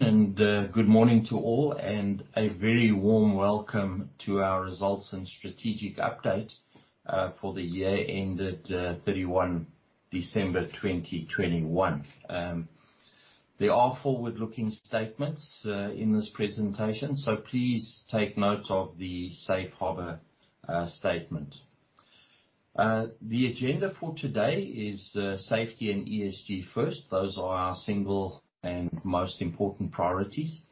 Good morning to all and a very warm welcome to our results and strategic update for the year ended 31 December 2021. There are forward-looking statements in this presentation, so please take note of the safe harbor statement. The agenda for today is safety and ESG first. Those are our single and most important priorities.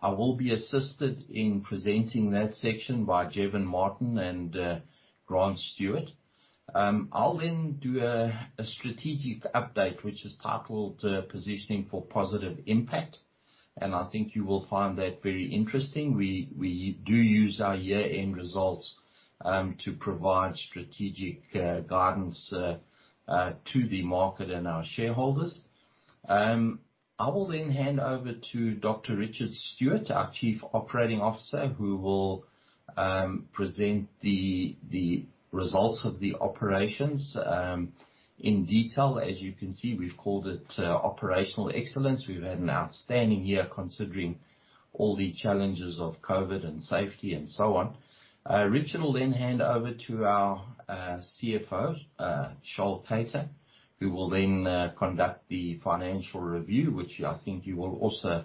I will be assisted in presenting that section by Jevon Martin and Grant Stuart. I'll then do a strategic update, which is titled Positioning for Positive Impact and I think you will find that very interesting. We do use our year-end results to provide strategic guidance to the market and our shareholders. I will then hand over to Dr. Richard Stewart, our Chief Operating Officer, who will present the results of the operations in detail. As you can see, we've called it Operational Excellence. We've had an outstanding year considering all the challenges of COVID and safety and so on. Richard will then hand over to our CFO, Charl Keyter, who will then conduct the financial review, which I think you will also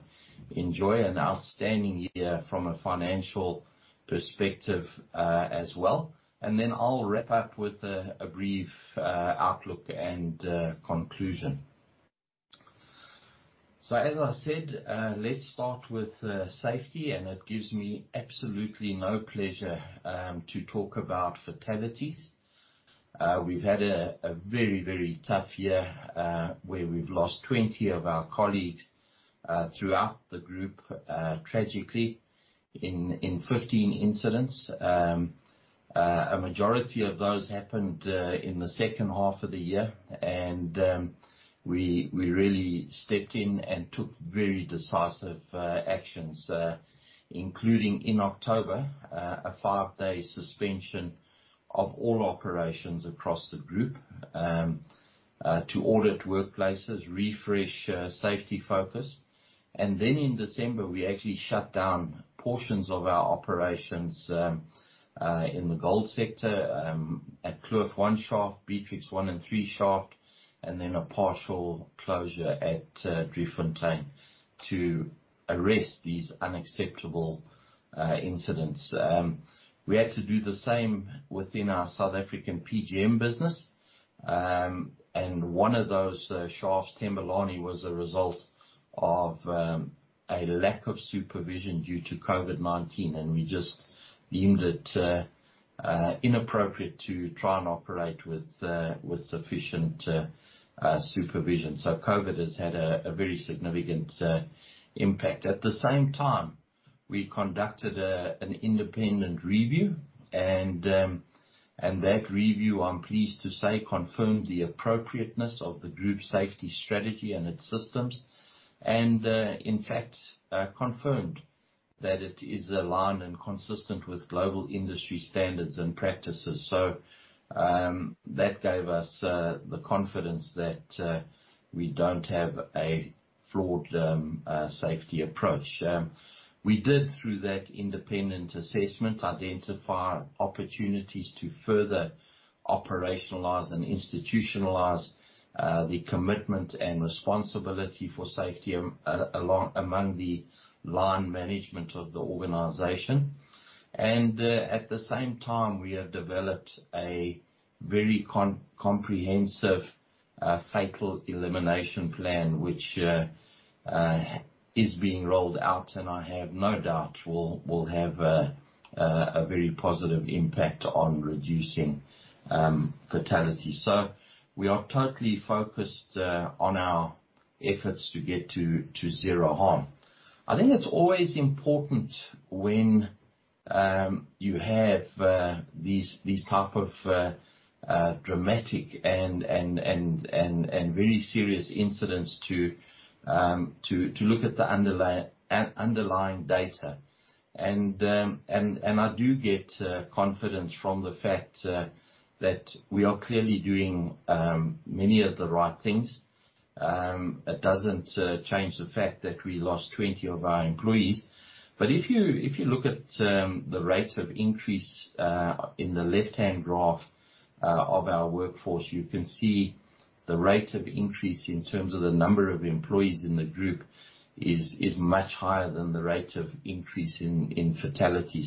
enjoy. An outstanding year from a financial perspective as well. I'll wrap up with a brief outlook and conclusion. As I said, let's start with safety and it gives me absolutely no pleasure to talk about fatalities. We've had a very tough year where we've lost 20 of our colleagues throughout the group tragically in 15 incidents. A majority of those happened in the second half of the year. We really stepped in and took very decisive actions, including in October, a five-day suspension of all operations across the group, to audit workplaces, refresh safety focus. In December, we actually shut down portions of our operations in the gold sector at Kloof 1 shaft, Beatrix 1 and 3 shafts and then a partial closure at Driefontein to arrest these unacceptable incidents. We had to do the same within our South African PGM business. One of those shafts, Thembelani, was a result of a lack of supervision due to COVID-19 and we just deemed it inappropriate to try and operate with sufficient supervision. COVID has had a very significant impact. At the same time, we conducted an independent review and that review, I'm pleased to say, confirmed the appropriateness of the group safety strategy and its systems. In fact, it confirmed that it is aligned and consistent with global industry standards and practices. That gave us the confidence that we don't have a flawed safety approach. We did, through that independent assessment, identify opportunities to further operationalize and institutionalize the commitment and responsibility for safety among the line management of the organization. At the same time, we have developed a very comprehensive fatality elimination plan, which is being rolled out and I have no doubt will have a very positive impact on reducing fatality. We are totally focused on our efforts to get to zero harm. I think it's always important when you have these type of dramatic and very serious incidents to look at the underlying data. I do get confidence from the fact that we are clearly doing many of the right things. It doesn't change the fact that we lost 20 of our employees. If you look at the rate of increase in the left-hand graph of our workforce, you can see the rate of increase in terms of the number of employees in the group is much higher than the rate of increase in fatality.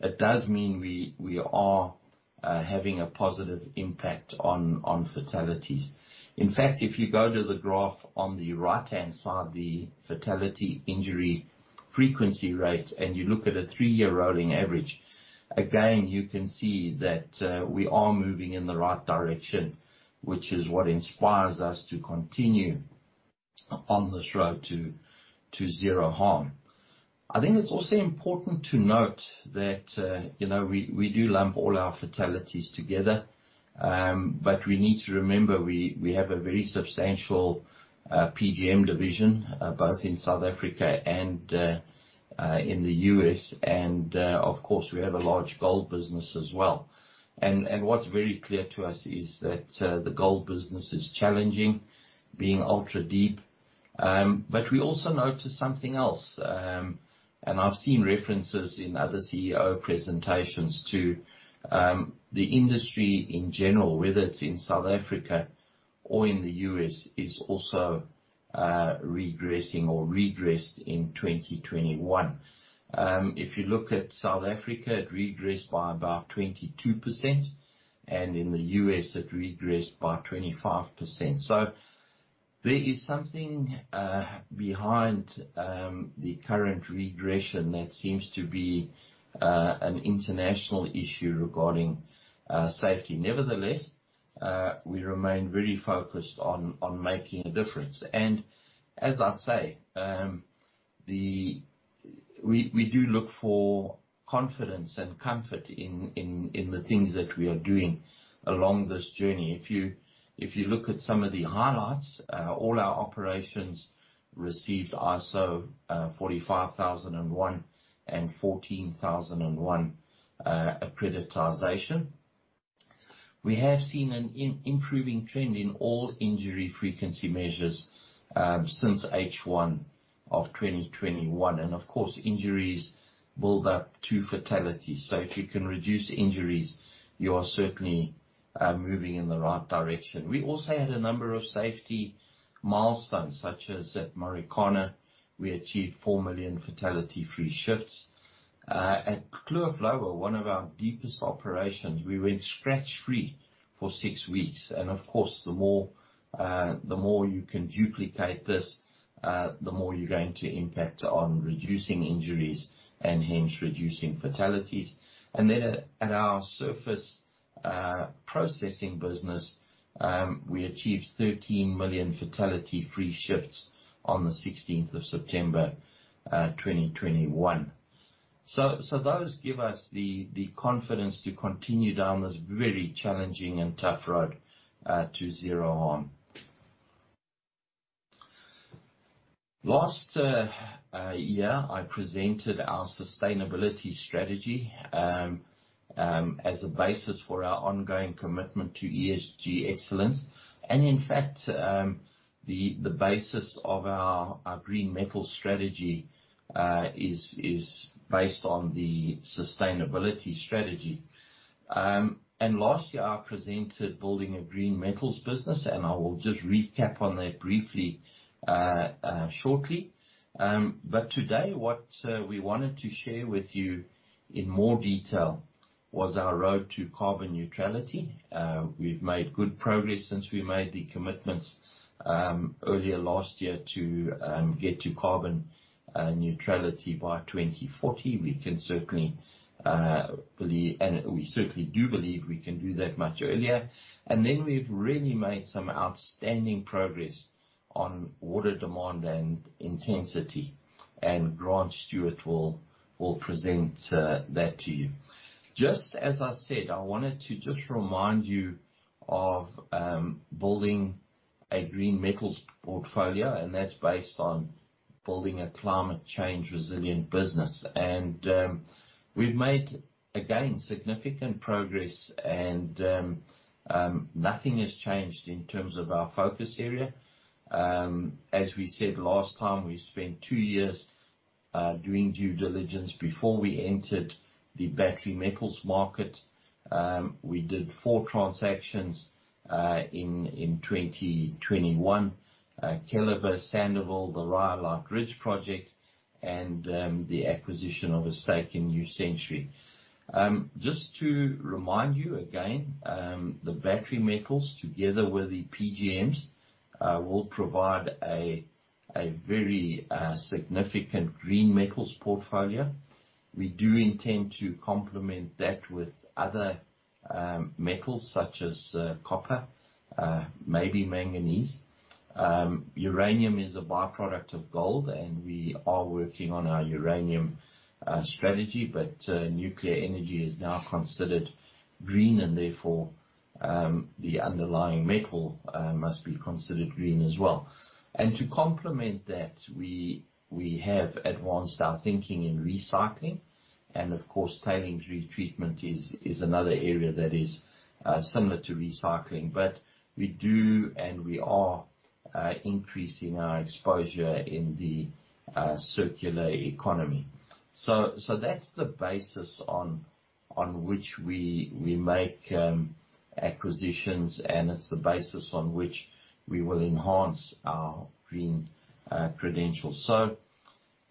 It does mean we are having a positive impact on fatalities. In fact, if you go to the graph on the right-hand side, the fatal injury frequency rate and you look at a three-year rolling average, again, you can see that we are moving in the right direction, which is what inspires us to continue on this road to zero harm. I think it's also important to note that, you know, we do lump all our fatalities together. We need to remember we have a very substantial PGM division both in South Africa and in the U.S. Of course, we have a large gold business as well. What's very clear to us is that the gold business is challenging, being ultra deep. But we also noticed something else and I've seen references in other CEO presentations too. The industry in general, whether it's in South Africa or in the U.S., is also regressing or regressed in 2021. If you look at South Africa, it regressed by about 22% and in the U.S., it regressed by 25%. There is something behind the current regression that seems to be an international issue regarding safety. Nevertheless, we remain very focused on making a difference. As I say, we do look for confidence and comfort in the things that we are doing along this journey. If you look at some of the highlights, all our operations received ISO 45001 and 14001 accreditation. We have seen an improving trend in all injury frequency measures since H1 of 2021. Of course, injuries build up to fatality. If you can reduce injuries, you are certainly moving in the right direction. We also had a number of safety milestones, such as at Marikana, we achieved 4 million fatality-free shifts. At Kloof Lower, one of our deepest operations, we went scratch-free for six weeks. Of course, the more you can duplicate this, the more you're going to impact on reducing injuries and hence reducing fatalities. Then at our surface processing business, we achieved 13 million fatality-free shifts on the sixteenth of September 2021. Those give us the confidence to continue down this very challenging and tough road to zero harm. Last year, I presented our sustainability strategy as a basis for our ongoing commitment to ESG excellence. In fact, the basis of our green metal strategy is based on the sustainability strategy. Last year, I presented building a green metals business and I will just recap on that briefly, shortly. Today what we wanted to share with you in more detail was our road to carbon neutrality. We've made good progress since we made the commitments earlier last year to get to carbon neutrality by 2040. We certainly do believe we can do that much earlier. We've really made some outstanding progress on water demand and intensity and Grant Stewart will present that to you. Just as I said, I wanted to just remind you of building a green metals portfolio and that's based on building a climate change resilient business. We've made, again, significant progress and nothing has changed in terms of our focus area. As we said last time, we spent two years doing due diligence before we entered the battery metals market. We did four transactions in 2021. Keliber, Sandouville, the Rhyolite Ridge project and the acquisition of a stake in New Century. Just to remind you again, the battery metals together with the PGMs will provide a very significant green metals portfolio. We do intend to complement that with other metals such as copper, maybe manganese. Uranium is a by-product of gold and we are working on our uranium strategy but nuclear energy is now considered green and therefore the underlying metal must be considered green as well. To complement that, we have advanced our thinking in recycling and of course, tailings retreatment is another area that is similar to recycling. We are increasing our exposure in the circular economy. That's the basis on which we make acquisitions and it's the basis on which we will enhance our green credentials.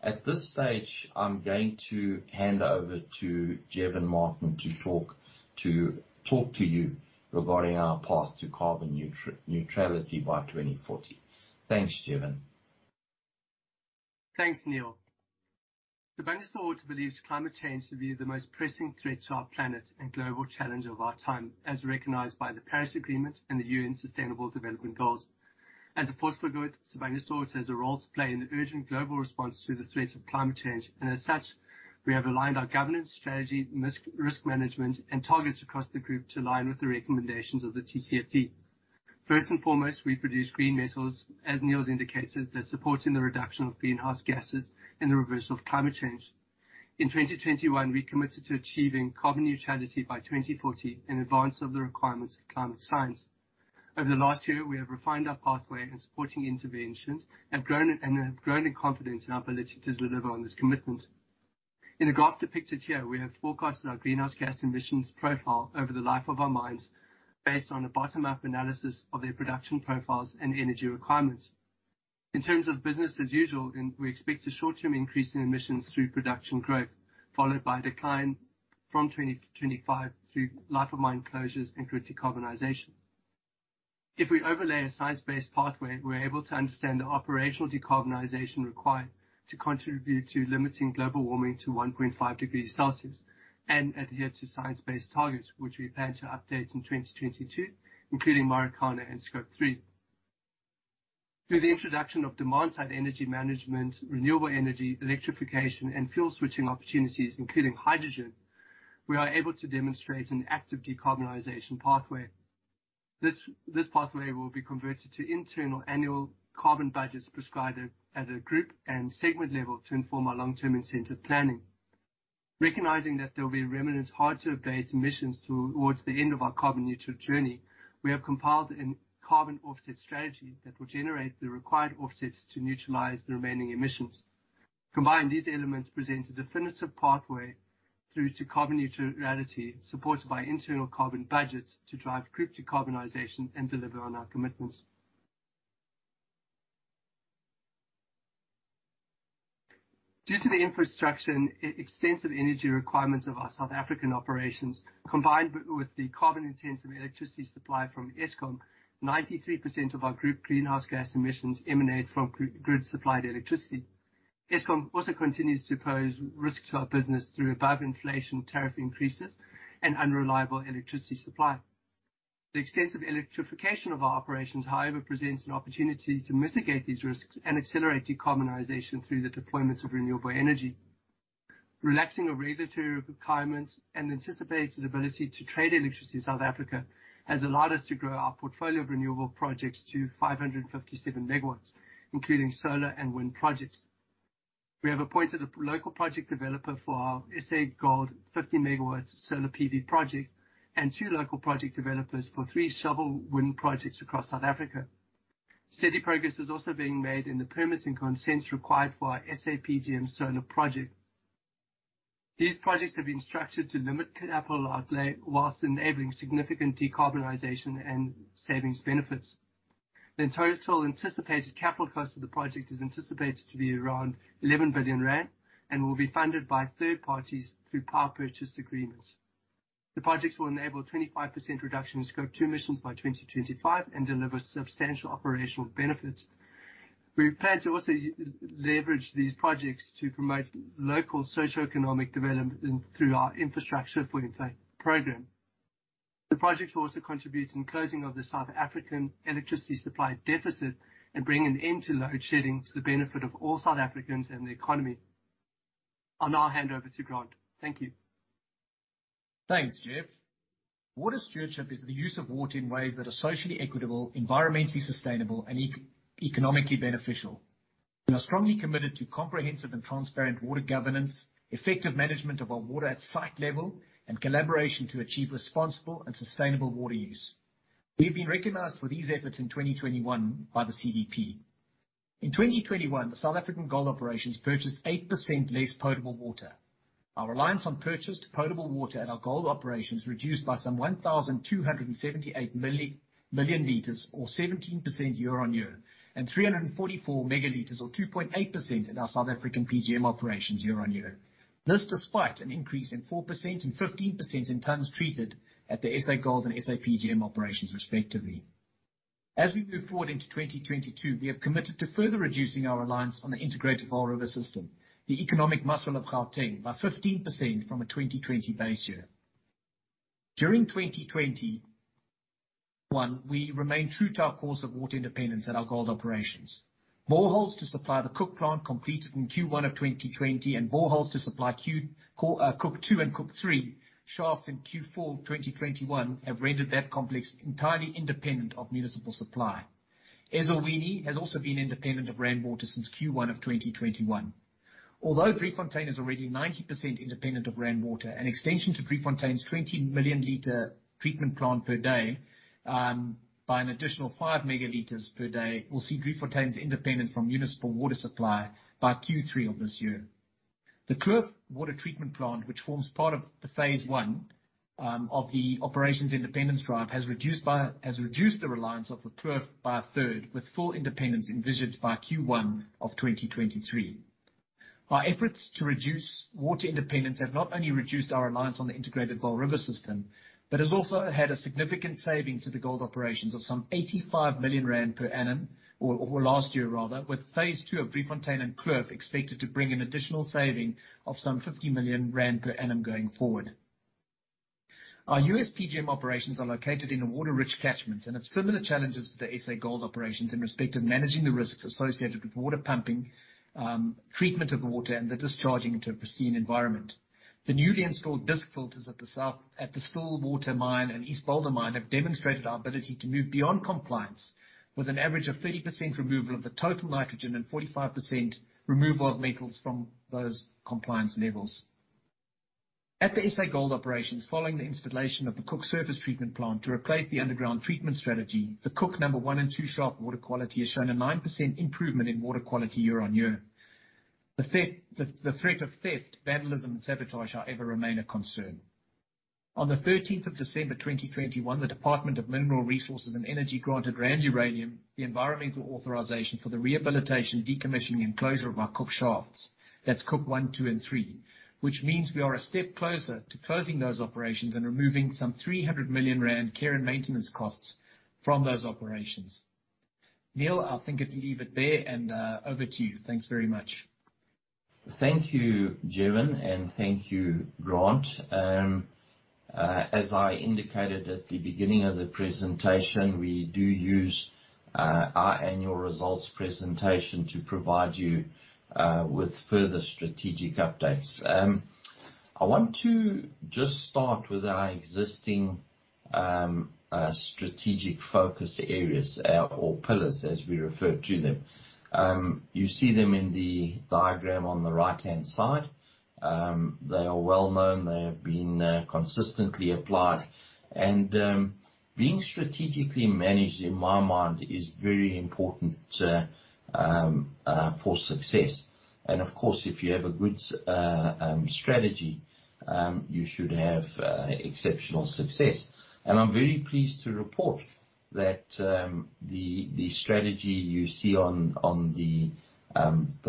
At this stage, I'm going to hand over to Jevon Martin to talk to you regarding our path to carbon neutrality by 2040. Thanks, Jevon. Thanks, Neal. Sibanye-Stillwater believes climate change to be the most pressing threat to our planet and global challenge of our time, as recognized by the Paris Agreement and the UN Sustainable Development Goals. As a producer, Sibanye-Stillwater has a role to play in the urgent global response to the threats of climate change and as such, we have aligned our governance strategy, risk management and targets across the group to align with the recommendations of the TCFD. First and foremost, we produce green metals, as Neal indicated, that's supporting the reduction of greenhouse gases and the reversal of climate change. In 2021, we committed to achieving carbon neutrality by 2040 in advance of the requirements of climate science. Over the last year, we have refined our pathway and supporting interventions have grown in confidence in our ability to deliver on this commitment. In the graph depicted here, we have forecasted our greenhouse gas emissions profile over the life of our mines based on a bottom-up analysis of their production profiles and energy requirements. In terms of business as usual, then we expect a short-term increase in emissions through production growth, followed by a decline from 2025 through life of mine closures and through decarbonization. If we overlay a science-based pathway, we're able to understand the operational decarbonization required to contribute to limiting global warming to 1.5 degrees Celsius and adhere to science-based targets, which we plan to update in 2022, including Marikana and Scope 3. Through the introduction of demand-side energy management, renewable energy, electrification and fuel switching opportunities, including hydrogen, we are able to demonstrate an active decarbonization pathway. This pathway will be converted to internal annual carbon budgets prescribed at a group and segment level to inform our long-term incentive planning. Recognizing that there will be remnant hard-to-abate emissions towards the end of our carbon-neutral journey, we have compiled a carbon offset strategy that will generate the required offsets to neutralize the remaining emissions. Combined, these elements present a definitive pathway through to carbon neutrality, supported by internal carbon budgets to drive group decarbonization and deliver on our commitments. Due to the infrastructure and extensive energy requirements of our South African operations, combined with the carbon-intensive electricity supply from Eskom, 93% of our group greenhouse gas emissions emanate from grid-supplied electricity. Eskom also continues to pose risks to our business through above-inflation tariff increases and unreliable electricity supply. The extensive electrification of our operations, however, presents an opportunity to mitigate these risks and accelerate decarbonization through the deployment of renewable energy. Relaxation of regulatory requirements and anticipated ability to trade electricity in South Africa has allowed us to grow our portfolio of renewable projects to 557 MW, including solar and wind projects. We have appointed a local project developer for our SA Gold 50 MW solar PV project and two local project developers for three shovel-ready wind projects across South Africa. Steady progress is also being made in the permits and consents required for our SA PGM solar project. These projects have been structured to limit capital outlay while enabling significant decarbonization and savings benefits. The total anticipated capital cost of the project is anticipated to be around 11 billion rand and will be funded by third parties through power purchase agreements. The projects will enable 25% reduction in Scope 2 emissions by 2025 and deliver substantial operational benefits. We plan to also leverage these projects to promote local socioeconomic development through our Infrastructure for Impact program. The projects will also contribute to closing of the South African electricity supply deficit and bring an end to load shedding to the benefit of all South Africans and the economy. I'll now hand over to Grant. Thank you. Thanks, Jev. Water stewardship is the use of water in ways that are socially equitable, environmentally sustainable and economically beneficial. We are strongly committed to comprehensive and transparent water governance, effective management of our water at site level and collaboration to achieve responsible and sustainable water use. We have been recognized for these efforts in 2021 by the CDP. In 2021, the South African gold operations purchased 8% less potable water. Our reliance on purchased potable water at our gold operations reduced by some 1,278 million liters or 17% year on year and 344 megaliters or 2.8% in our South African PGM operations year on year. This despite an increase in 4% and 15% in tons treated at the SA Gold and SA PGM operations, respectively. As we move forward into 2022, we have committed to further reducing our reliance on the integrated Vaal River system, the economic muscle of Gauteng, by 15% from a 2020 base year. During 2021, we remained true to our course of water independence at our gold operations. Boreholes to supply the Cooke plant completed in Q1 of 2020 and boreholes to supply Cooke Two and Cooke Three shafts in Q4 2021 have rendered that complex entirely independent of municipal supply. Ezulwini has also been independent of Rand Water since Q1 of 2021. Although Driefontein is already 90% independent of Rand Water, an extension to Driefontein's 20 million liters treatment plant per day by an additional 5 megaliters per day will see Driefontein's independence from municipal water supply by Q3 of this year. The Kloof Water Treatment Plant, which forms part of phase one of the operations independence drive, has reduced the reliance of the Kloof by a third, with full independence envisaged by Q1 of 2023. Our efforts to reduce water dependence have not only reduced our reliance on the integrated Vaal River system but has also had a significant saving to the gold operations of some 85 million rand per annum or last year rather, with phase two of Driefontein and Kloof expected to bring an additional saving of some 50 million rand per annum going forward. Our U.S. PGM operations are located in water-rich catchments and have similar challenges to the SA Gold operations in respect of managing the risks associated with water pumping, treatment of water and the discharging into a pristine environment. The newly installed disc filters at the Stillwater Mine and East Boulder Mine have demonstrated our ability to move beyond compliance with an average of 30% removal of the total nitrogen and 45% removal of metals from those compliance levels. At the SA Gold Operations, following the installation of the Cooke surface treatment plant to replace the underground treatment strategy, the Cooke number 1 and 2 shaft water quality has shown a 9% improvement in water quality year-on-year. The threat of theft, vandalism and sabotage however remain a concern. On the 13 December 2021, the Department of Mineral Resources and Energy granted Rand Uranium the environmental authorization for the rehabilitation, decommissioning and closure of our Cooke shafts. That's Cooke 1, 2 and 3. Which means we are a step closer to closing those operations and removing some 300 million rand care and maintenance costs from those operations. Neal, I think I could leave it there and over to you. Thanks very much. Thank you, Jevon and thank you, Grant. As I indicated at the beginning of the presentation, we do use our annual results presentation to provide you with further strategic updates. I want to just start with our existing strategic focus areas or pillars, as we refer to them. You see them in the diagram on the right-hand side. They are well-known. They have been consistently applied and being strategically managed in my mind is very important for success. Of course, if you have a good strategy, you should have exceptional success. I'm very pleased to report that the strategy you see on the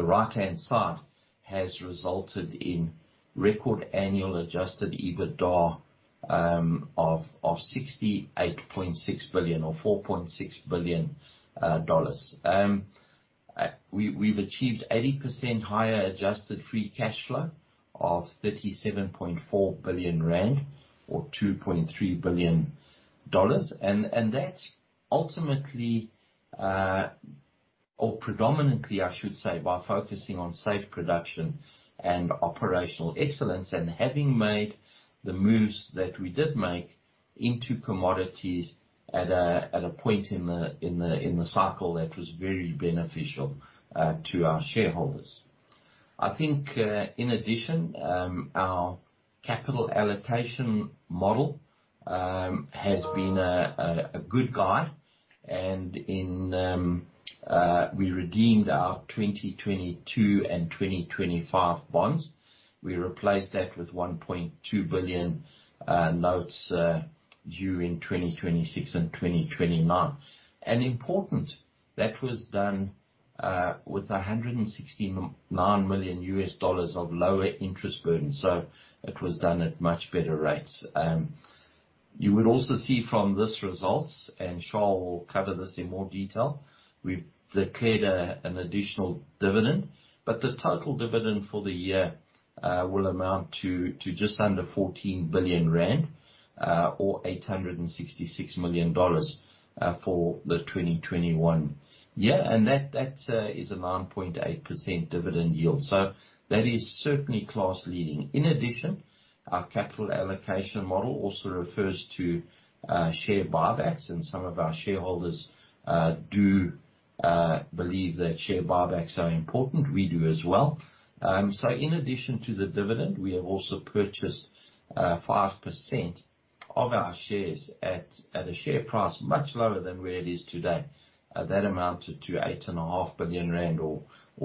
right-hand side has resulted in record annual adjusted EBITDA of 68.6 billion or $4.6 billion. We've achieved 80% higher adjusted free cash flow of 37.4 billion rand or $2.3 billion. That's ultimately or predominantly, I should say, by focusing on safe production and operational excellence and having made the moves that we did make into commodities at a point in the cycle that was very beneficial to our shareholders. I think in addition our capital allocation model has been a good guide and we redeemed our 2022 and 2025 bonds. We replaced that with $1.2 billion notes due in 2026 and 2029. Important, that was done with $169 million of lower interest burden, so it was done at much better rates. You would also see from these results and Charl Keyter will cover this in more detail, we have declared an additional dividend. The total dividend for the year will amount to just under 14 billion rand or $866 million for the 2021 year. That is a 9.8% dividend yield. That is certainly class-leading. In addition, our capital allocation model also refers to share buybacks and some of our shareholders do believe that share buybacks are important. We do as well. In addition to the dividend, we have also purchased 5% of our shares at a share price much lower than where it is today. That amounted to 8.5 billion rand or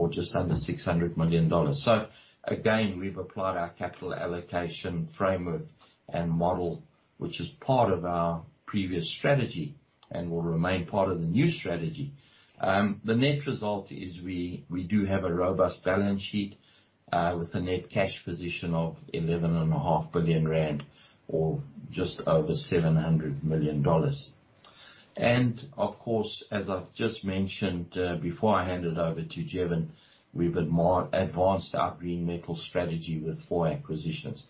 just under $600 million. Again, we've applied our capital allocation framework and model, which is part of our previous strategy and will remain part of the new strategy. The net result is we do have a robust balance sheet with a net cash position of 11.5 billion rand or just over $700 million. Of course, as I've just mentioned, before I hand it over to Jevon, we've more advanced our green metal strategy with four acquisitions.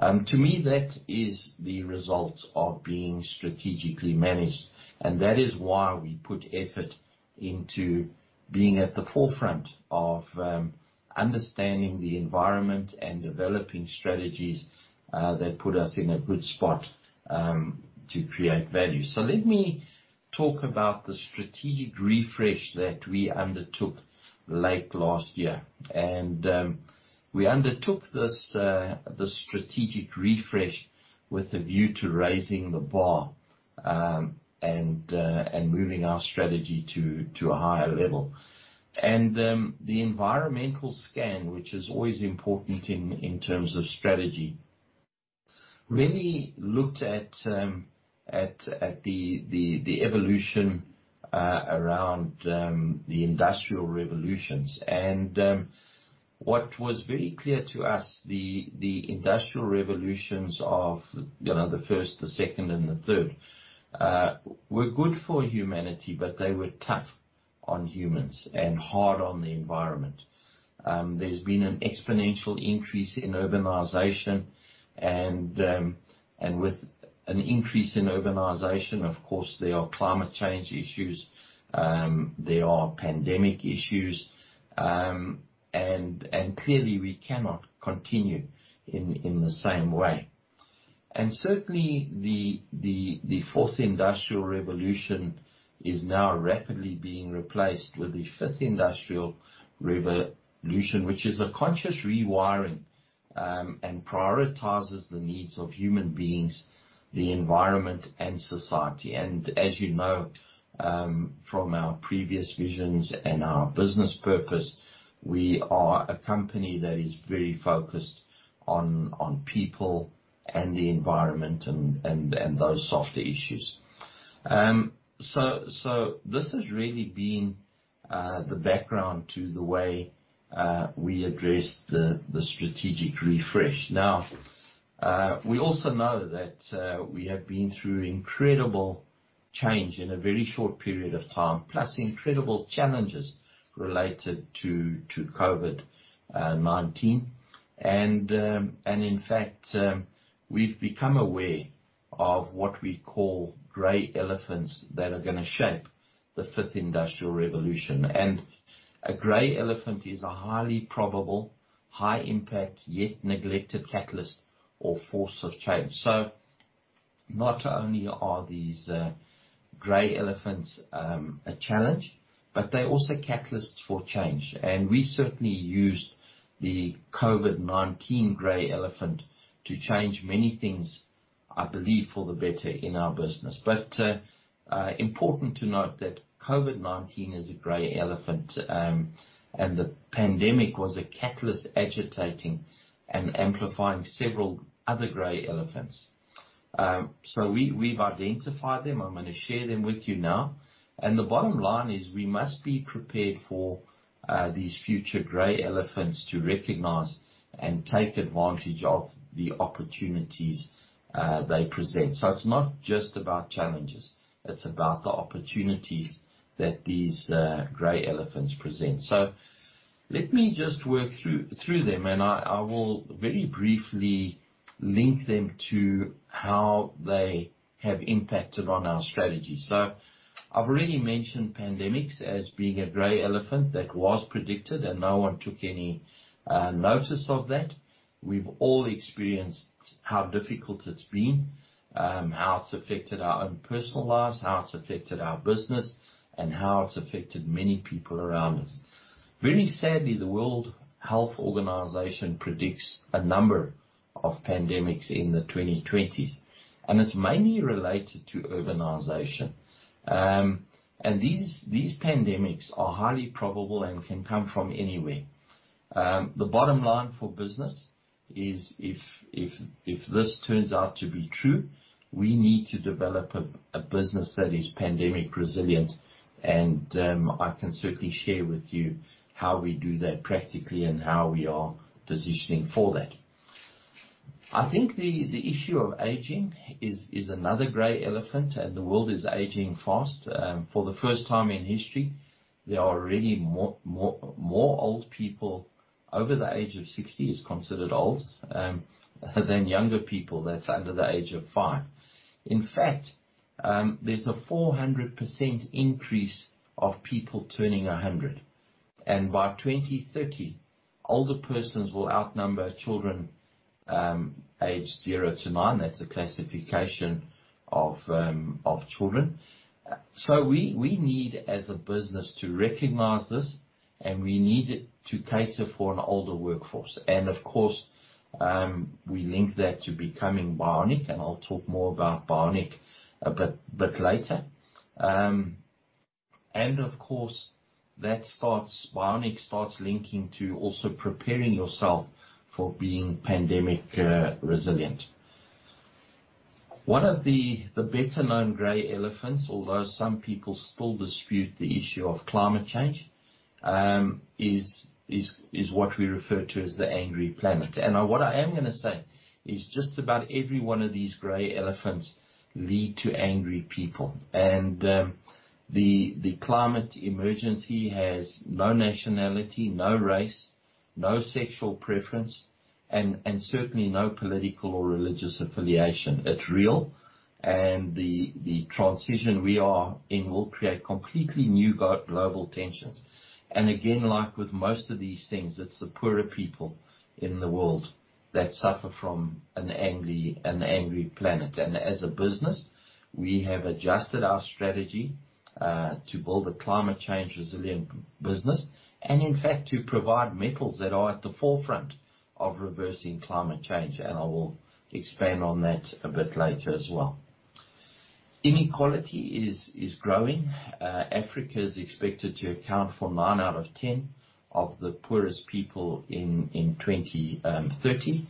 To me that is the result of being strategically managed and that is why we put effort into being at the forefront of understanding the environment and developing strategies that put us in a good spot to create value. Let me talk about the strategic refresh that we undertook late last year. We undertook this strategic refresh with a view to raising the bar and moving our strategy to a higher level. The environmental scan, which is always important in terms of strategy, really looked at the evolution around the industrial revolutions. What was very clear to us, the industrial revolutions of, you know, the first, the second and the third were good for humanity but they were tough on humans and hard on the environment. There's been an exponential increase in urbanization and with an increase in urbanization, of course, there are climate change issues, there are pandemic issues and clearly we cannot continue in the same way. Certainly the fourth industrial revolution is now rapidly being replaced with the fifth industrial revolution, which is a conscious rewiring and prioritizes the needs of human beings, the environment and society. As you know, from our previous visions and our business purpose, we are a company that is very focused on people and the environment and those softer issues. This has really been the background to the way we address the strategic refresh. Now, we also know that we have been through incredible change in a very short period of time, plus incredible challenges related to COVID-19. In fact, we've become aware of what we call gray elephants that are gonna shape the fifth industrial revolution. A gray elephant is a highly probable, high impact, yet neglected catalyst or force of change. Not only are these gray elephants a challenge but they're also catalysts for change. We certainly used the COVID-19 gray elephant to change many things, I believe, for the better in our business. Important to note that COVID-19 is a gray elephant and the pandemic was a catalyst agitating and amplifying several other gray elephants. We've identified them. I'm gonna share them with you now. The bottom line is we must be prepared for these future gray elephants to recognize and take advantage of the opportunities they present. It's not just about challenges, it's about the opportunities that these gray elephants present. Let me just work through them and I will very briefly link them to how they have impacted on our strategy. I've already mentioned pandemics as being a gray elephant that was predicted and no one took any notice of that. We've all experienced how difficult it's been, how it's affected our own personal lives, how it's affected our business and how it's affected many people around us. Very sadly, the World Health Organization predicts a number of pandemics in the 2020s and it's mainly related to urbanization. These pandemics are highly probable and can come from anywhere. The bottom line for business is if this turns out to be true, we need to develop a business that is pandemic resilient and I can certainly share with you how we do that practically and how we are positioning for that. I think the issue of aging is another gray elephant and the world is aging fast. For the first time in history, there are really more old people over the age of 60 is considered old than younger people that's under the age of five. In fact, there's a 400% increase of people turning 100 and by 2030 older persons will outnumber children aged zero to nine. That's the classification of children. We need as a business to recognize this and we need to cater for an older workforce. Of course, we link that to becoming bionic and I'll talk more about bionic a bit later. Bionic starts linking to also preparing yourself for being pandemic resilient. One of the better-known gray elephants, although some people still dispute the issue of climate change, is what we refer to as the angry planet. What I am gonna say is just about every one of these gray elephants lead to angry people. The climate emergency has no nationality, no race, no sexual preference and certainly no political or religious affiliation. It's real and the transition we are in will create completely new global tensions. Again, like with most of these things, it's the poorer people in the world that suffer from an angry planet. As a business, we have adjusted our strategy to build a climate change resilient business and in fact, to provide metals that are at the forefront of reversing climate change. I will expand on that a bit later as well. Inequality is growing. Africa is expected to account for nine out of ten of the poorest people in 2030.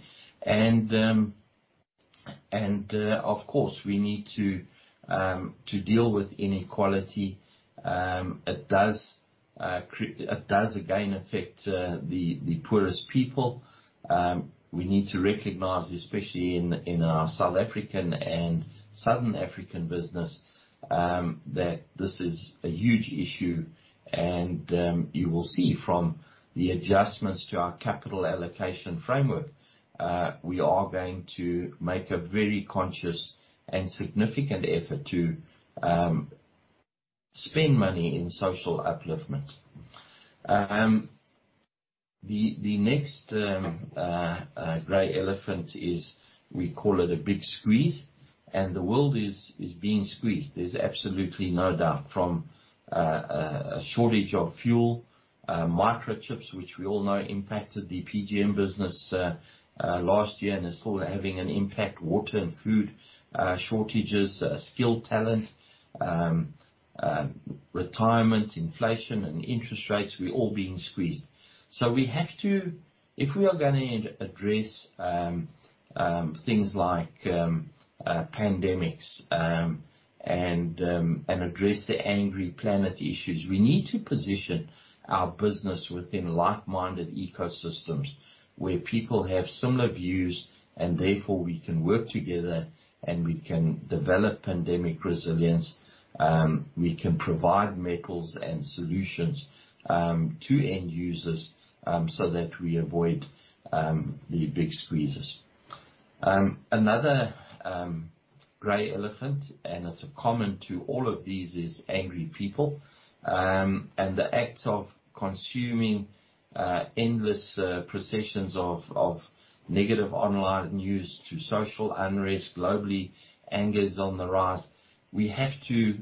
Of course, we need to deal with inequality. It does again affect the poorest people. We need to recognize, especially in our South African and Southern African business, that this is a huge issue. You will see from the adjustments to our capital allocation framework, we are going to make a very conscious and significant effort to spend money in social upliftment. The next gray elephant is we call it a big squeeze and the world is being squeezed. There's absolutely no doubt. From a shortage of fuel, microchips, which we all know impacted the PGM business last year and is still having an impact. Water and food shortages, skill, talent, retirement, inflation and interest rates, we're all being squeezed. If we are gonna address things like pandemics and address the angry planet issues, we need to position our business within like-minded ecosystems where people have similar views and therefore we can work together and we can develop pandemic resilience. We can provide metals and solutions to end users so that we avoid the big squeezes. Another gray elephant and it's common to all of these, is angry people. The act of consuming endless processions of negative online news to social unrest, globally anger is on the rise. We have to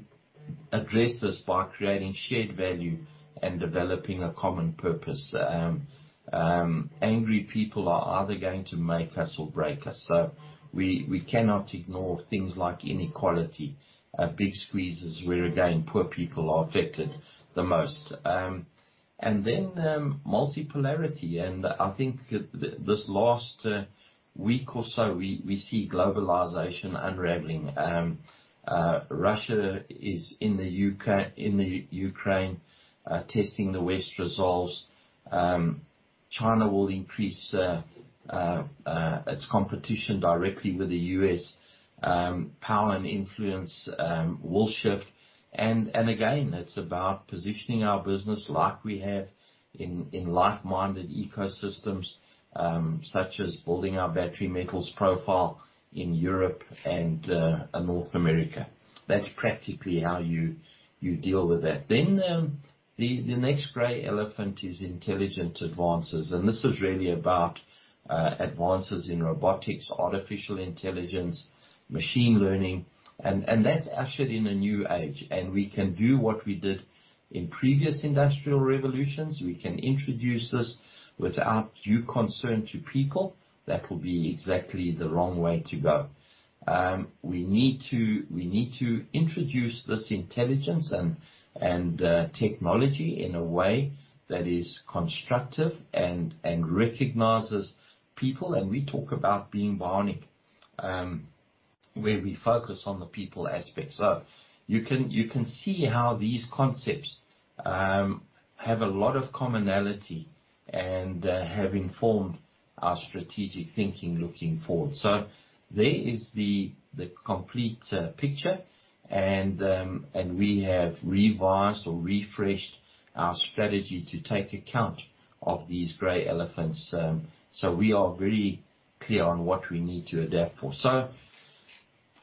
address this by creating shared value and developing a common purpose. Angry people are either going to make us or break us. We cannot ignore things like inequality, big squeezes where, again, poor people are affected the most and multipolarity. I think this last week or so, we see globalization unraveling. Russia is in the Ukraine, testing the West's resolve. China will increase its competition directly with the U.S., power and influence will shift. Again, it's about positioning our business like we have in like-minded ecosystems, such as building our battery metals profile in Europe and North America. That's practically how you deal with that. The next gray elephant is intelligent advances and this is really about advances in robotics, artificial intelligence, machine learning and that's ushered in a new age. We can do what we did in previous industrial revolutions. We can introduce this without due concern to people. That will be exactly the wrong way to go. We need to introduce this intelligence and technology in a way that is constructive and recognizes people. We talk about being bionic, where we focus on the people aspect. You can see how these concepts have a lot of commonality and have informed our strategic thinking looking forward. There is the complete picture and we have revised or refreshed our strategy to take account of these gray elephants. We are very clear on what we need to adapt for.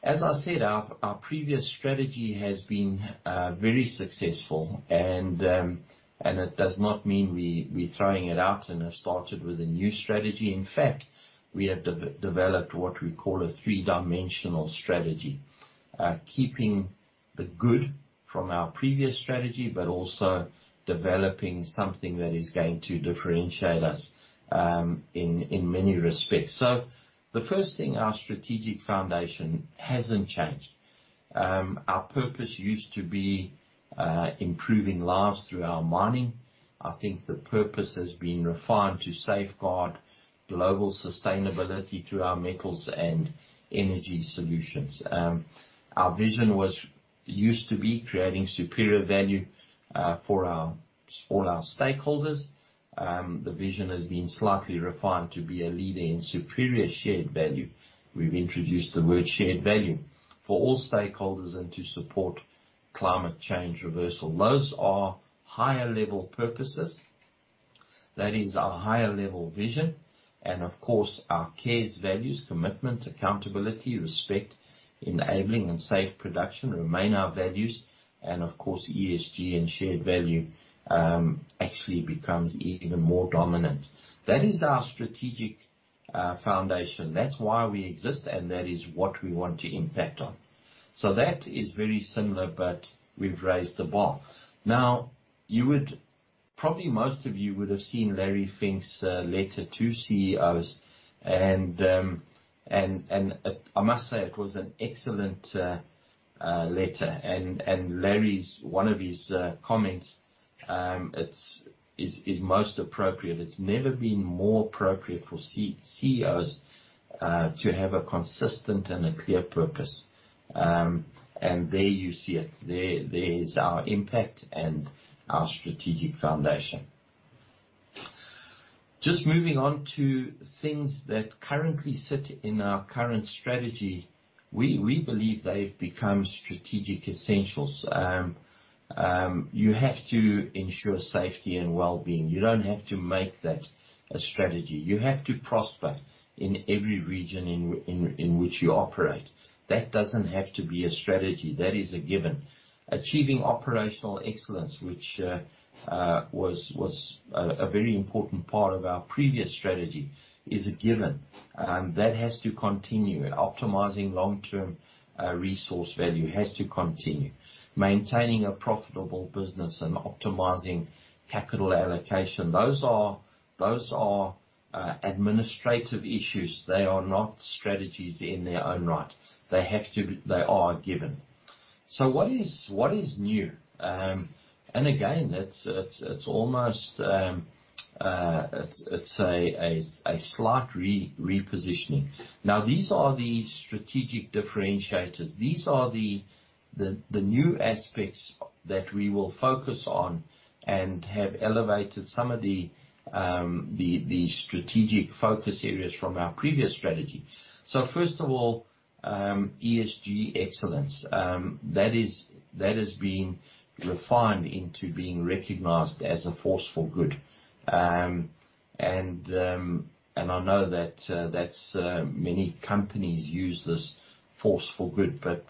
As I said, our previous strategy has been very successful and it does not mean we're throwing it out and have started with a new strategy. In fact, we have developed what we call a three-dimensional strategy, keeping the good from our previous strategy but also developing something that is going to differentiate us in many respects. The first thing, our strategic foundation hasn't changed. Our purpose used to be improving lives through our mining. I think the purpose has been refined to safeguard global sustainability through our metals and energy solutions. Our vision used to be creating superior value for all our stakeholders. The vision has been slightly refined to be a leader in superior shared value. We've introduced the word shared value for all stakeholders and to support climate change reversal. Those are higher level purposes. That is our higher level vision. Of course our CARES values, commitment, accountability, respect, enabling and safety remain our values. Of course, ESG and shared value actually becomes even more dominant. That is our strategic foundation. That's why we exist and that is what we want to impact on. That is very similar but we've raised the bar. Now, you would probably most of you would have seen Larry Fink's letter to CEOs. I must say it was an excellent letter. Larry's one of his comments is most appropriate. It's never been more appropriate for CEOs to have a consistent and a clear purpose. There you see it. There is our impact and our strategic foundation. Just moving on to things that currently sit in our current strategy. We believe they've become strategic essentials. You have to ensure safety and well-being. You don't have to make that a strategy. You have to prosper in every region in which you operate. That doesn't have to be a strategy. That is a given. Achieving operational excellence, which was a very important part of our previous strategy, is a given that has to continue. Optimizing long-term resource value has to continue. Maintaining a profitable business and optimizing capital allocation, those are administrative issues. They are not strategies in their own right. They have to be. They are a given. What is new? Again, it's almost a slight repositioning. Now, these are the strategic differentiators. These are the new aspects that we will focus on and have elevated some of the strategic focus areas from our previous strategy. First of all, ESG excellence, that is being refined into being recognized as a force for good. I know that many companies use this force for good but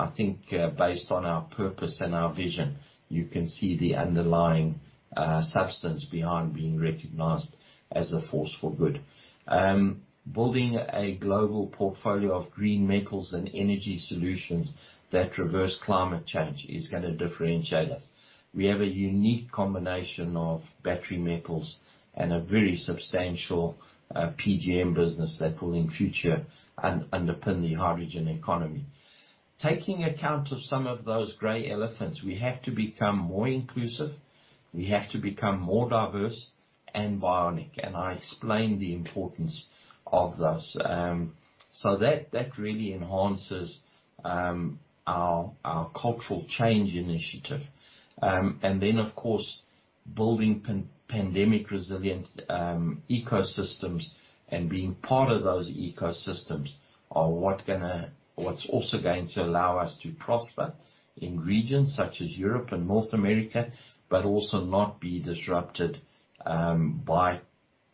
I think based on our purpose and our vision, you can see the underlying substance behind being recognized as a force for good. Building a global portfolio of green metals and energy solutions that reverse climate change is gonna differentiate us. We have a unique combination of battery metals and a very substantial PGM business that will in future underpin the hydrogen economy. Taking account of some of those gray elephants, we have to become more inclusive, we have to become more diverse and bionic and I explained the importance of those. That really enhances our cultural change initiative. Of course, building pandemic-resilient ecosystems and being part of those ecosystems are what's also going to allow us to prosper in regions such as Europe and North America but also not be disrupted by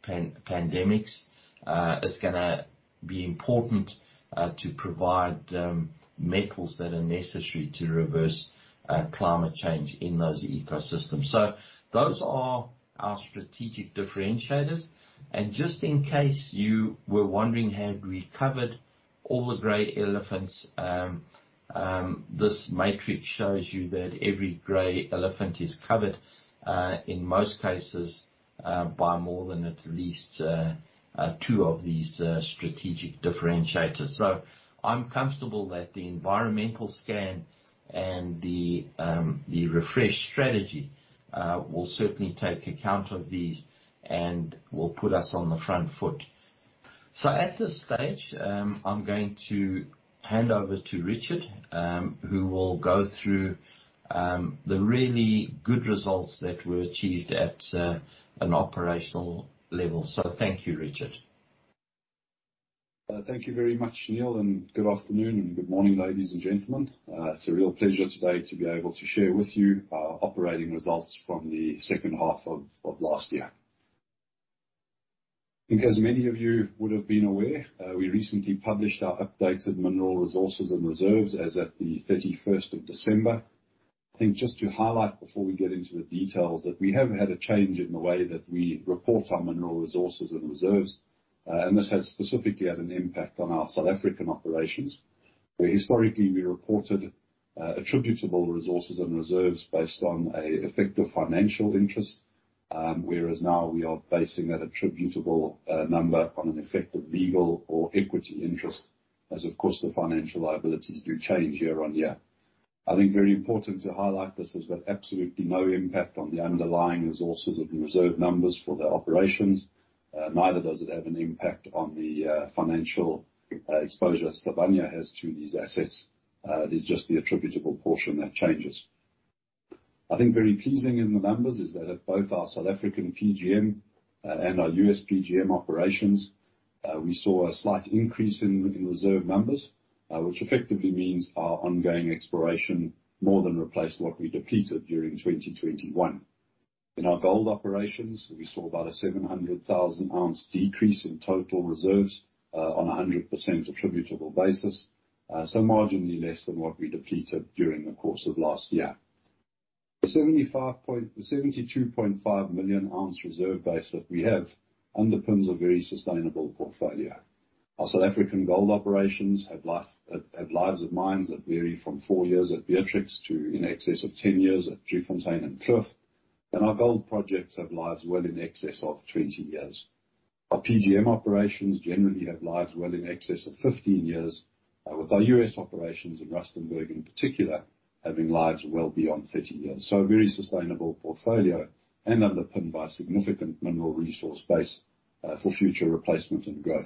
pandemics. It's gonna be important to provide metals that are necessary to reverse climate change in those ecosystems. Those are our strategic differentiators. Just in case you were wondering, have we covered all the gray elephants, this matrix shows you that every gray elephant is covered, in most cases, by more than at least two of these strategic differentiators. I'm comfortable that the environmental scan and the refresh strategy will certainly take account of these and will put us on the front foot. At this stage, I'm going to hand over to Richard, who will go through the really good results that were achieved at an operational level. Thank you, Richard. Thank you very much, Neal and good afternoon and good morning, ladies and gentlemen. It's a real pleasure today to be able to share with you our operating results from the second half of last year. I think as many of you would have been aware, we recently published our updated mineral resources and reserves as at the thirty-first of December. I think just to highlight before we get into the details, that we have had a change in the way that we report our mineral resources and reserves and this has specifically had an impact on our South African operations. Where historically, we reported attributable resources and reserves based on an effective financial interest, whereas now we are basing that attributable number on an effective legal or equity interest. As of course, the financial liabilities do change year on year. I think very important to highlight this has got absolutely no impact on the underlying resources of the reserve numbers for the operations, neither does it have an impact on the financial exposure Sibanye has to these assets. It is just the attributable portion that changes. I think very pleasing in the numbers is that at both our South African PGM and our U.S. PGM operations, we saw a slight increase in reserve numbers, which effectively means our ongoing exploration more than replaced what we depleted during 2021. In our gold operations, we saw about a 700,000 ounce decrease in total reserves, on a 100% attributable basis, so marginally less than what we depleted during the course of last year. The 72.5 million ounce reserve base that we have underpins a very sustainable portfolio. Our South African gold operations have lives of mines that vary from four years at Beatrix to in excess of 10 years at Driefontein and Kloof. Our gold projects have lives well in excess of 20 years. Our PGM operations generally have lives well in excess of 15 years, with our U.S. operations in Rustenburg in particular, having lives well beyond 30 years. A very sustainable portfolio and underpinned by a significant mineral resource base, for future replacement and growth.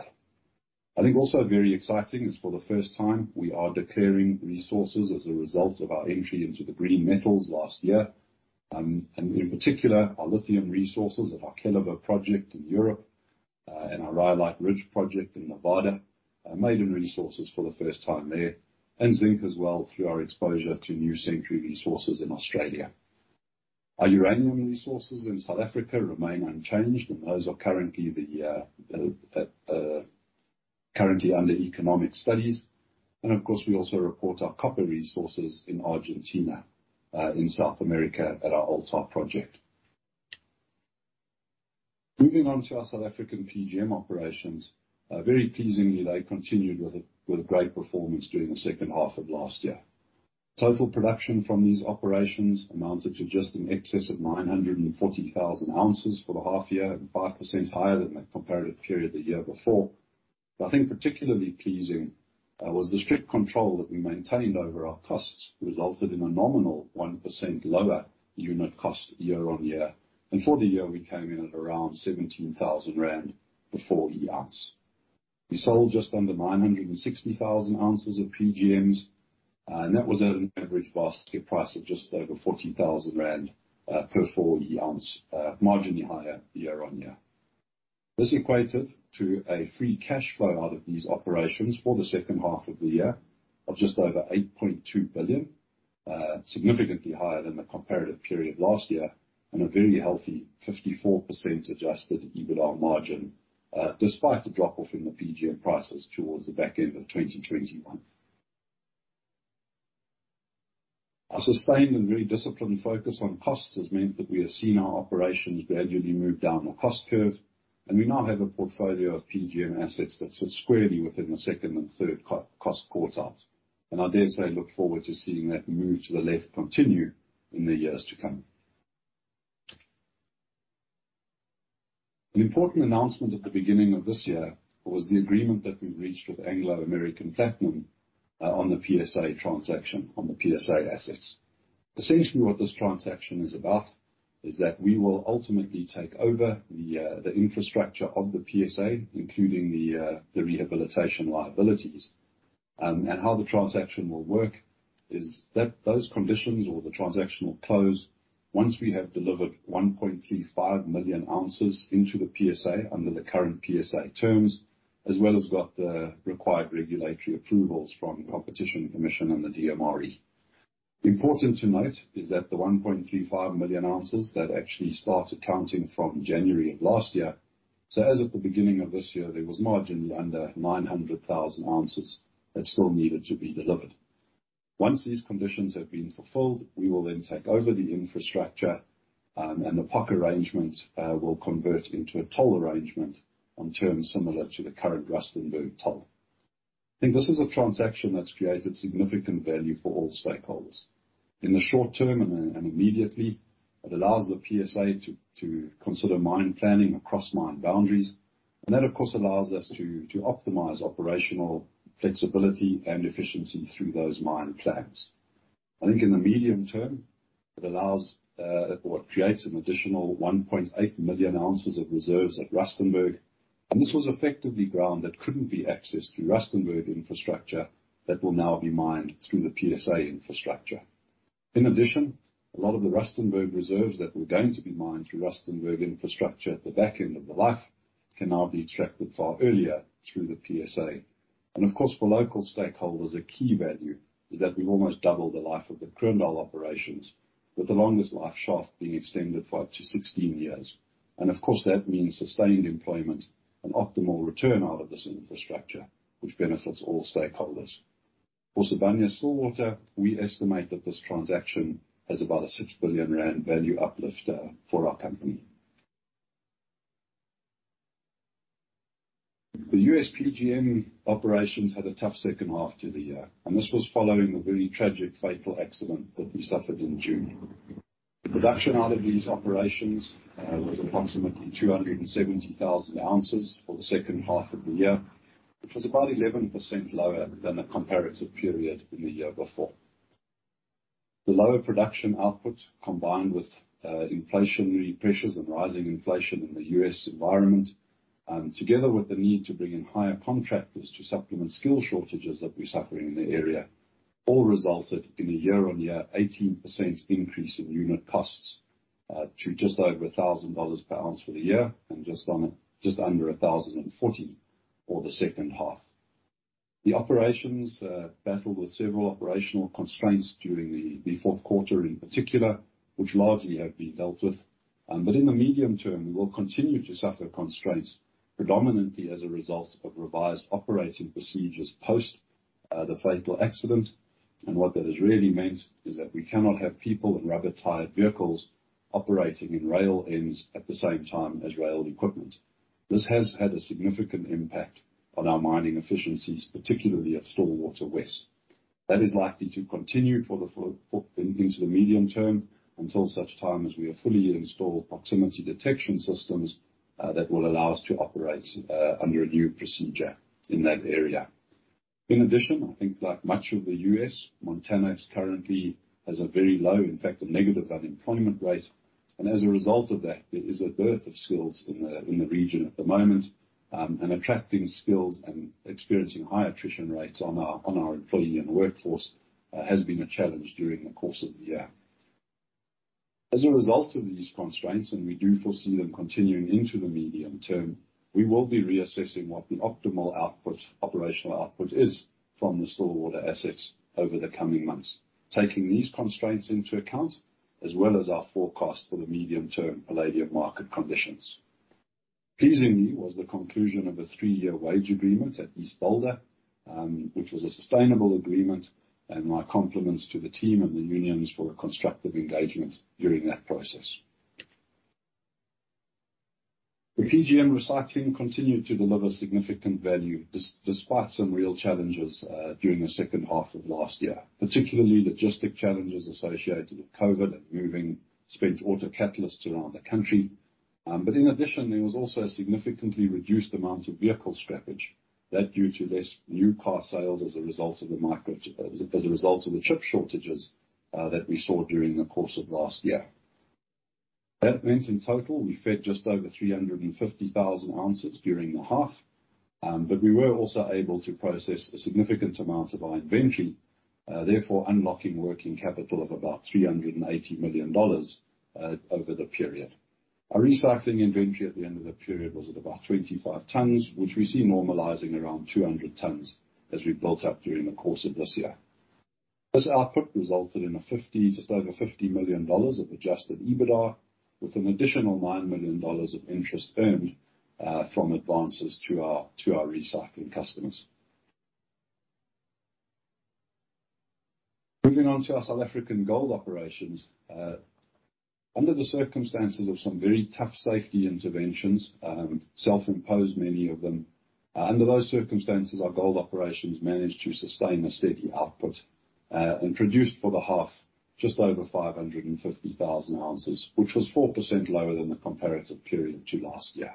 I think also very exciting is, for the first time, we are declaring resources as a result of our entry into the green metals last year. In particular, our lithium resources at our Keliber project in Europe and our Rhyolite Ridge project in Nevada, maiden resources for the first time there and zinc as well through our exposure to New Century Resources in Australia. Our uranium resources in South Africa remain unchanged and those are currently under economic studies. Of course, we also report our copper resources in Argentina, in South America at our Altar project. Moving on to our South African PGM operations, very pleasingly, they continued with a great performance during the second half of last year. Total production from these operations amounted to just in excess of 940,000 ounces for the half year, 5% higher than the comparative period the year before. I think particularly pleasing was the strict control that we maintained over our costs resulted in a nominal 1% lower unit cost year-on-year. For the year, we came in at around 17,000 rand per 4E ounce. We sold just under 960,000 ounces of PGMs and that was at an average basket price of just over 40,000 rand per 4E ounce, marginally higher year-on-year. This equated to a free cash flow out of these operations for the second half of the year of just over 8.2 billion, significantly higher than the comparative period last year and a very healthy 54% adjusted EBITDA margin, despite the drop off in the PGM prices toward the back end of 2021. Our sustained and very disciplined focus on costs has meant that we have seen our operations gradually move down our cost curve and we now have a portfolio of PGM assets that sit squarely within the second and third cost quartiles. I dare say I look forward to seeing that move to the left continue in the years to come. An important announcement at the beginning of this year was the agreement that we reached with Anglo American Platinum, on the PSA transaction, on the PSA assets. Essentially, what this transaction is about is that we will ultimately take over the infrastructure of the PSA, including the rehabilitation liabilities. How the transaction will work is that those conditions or the transaction will close once we have delivered 1.35 million ounces into the PSA under the current PSA terms, as well as got the required regulatory approvals from Competition Commission and the DMRE. Important to note is that the 1.35 million ounces that actually started counting from January of last year. As of the beginning of this year, there was marginally under 900,000 ounces that still needed to be delivered. Once these conditions have been fulfilled, we will then take over the infrastructure and the POC arrangement will convert into a toll arrangement on terms similar to the current Rustenburg toll. I think this is a transaction that's created significant value for all stakeholders. In the short term and immediately, it allows the PSA to consider mine planning across mine boundaries. That, of course, allows us to optimize operational flexibility and efficiency through those mine plans. I think in the medium term, it allows or it creates an additional 1.8 million ounces of reserves at Rustenburg. This was effectively ground that couldn't be accessed through Rustenburg infrastructure that will now be mined through the PSA infrastructure. In addition, a lot of the Rustenburg reserves that were going to be mined through Rustenburg infrastructure at the back end of the life can now be extracted far earlier through the PSA. Of course, for local stakeholders, a key value is that we've almost doubled the life of the Kroondal operations, with the longest life shaft being extended for up to 16 years. Of course, that means sustained employment and optimal return out of this infrastructure, which benefits all stakeholders. For Sibanye-Stillwater, we estimate that this transaction has about a 6 billion rand value uplifter for our company. The U.S. PGM operations had a tough second half to the year and this was following a very tragic, fatal accident that we suffered in June. The production out of these operations was approximately 270,000 ounces for the second half of the year, which was about 11% lower than the comparative period in the year before. The lower production output, combined with inflationary pressures and rising inflation in the U.S. environment, together with the need to bring in higher contractors to supplement skill shortages that we're suffering in the area. All resulted in a year-on-year 18% increase in unit costs to just over $1,000 per ounce for the year and just under $1,040 for the second half. The operations battled with several operational constraints during the fourth quarter in particular, which largely have been dealt with. But in the medium term, we will continue to suffer constraints, predominantly as a result of revised operating procedures post the fatal accident. What that has really meant is that we cannot have people in rubber-tyred vehicles operating in rail ends at the same time as railed equipment. This has had a significant impact on our mining efficiencies, particularly at Stillwater West. That is likely to continue into the medium term until such time as we have fully installed proximity detection systems that will allow us to operate under a new procedure in that area. In addition, I think like much of the U.S., Montana currently has a very low, in fact, a negative unemployment rate. As a result of that, there is a dearth of skills in the region at the moment and attracting skills and experiencing high attrition rates on our employee and workforce has been a challenge during the course of the year. As a result of these constraints and we do foresee them continuing into the medium term, we will be reassessing what the optimal output, operational output is from the Stillwater assets over the coming months, taking these constraints into account, as well as our forecast for the medium-term palladium market conditions. Pleasing me was the conclusion of a three-year wage agreement at East Boulder, which was a sustainable agreement and my compliments to the team and the unions for a constructive engagement during that process. The PGM recycling continued to deliver significant value despite some real challenges during the second half of last year, particularly logistic challenges associated with COVID and moving spent auto catalysts around the country. In addition, there was also a significantly reduced amount of vehicle scrappage due to less new car sales as a result of the chip shortages that we saw during the course of last year. That meant in total, we fed just over 350,000 ounces during the half but we were also able to process a significant amount of our inventory. Therefore unlocking working capital of about $380 million over the period. Our recycling inventory at the end of the period was at about 25 tons, which we see normalizing around 200 tons as we built up during the course of this year. This output resulted in just over $50 million of adjusted EBITDA, with an additional $9 million of interest earned from advances to our recycling customers. Moving on to our South African gold operations. Under the circumstances of some very tough safety interventions, self-imposed many of them. Under those circumstances, our gold operations managed to sustain a steady output and produced for the half just over 550,000 ounces, which was 4% lower than the comparative period to last year.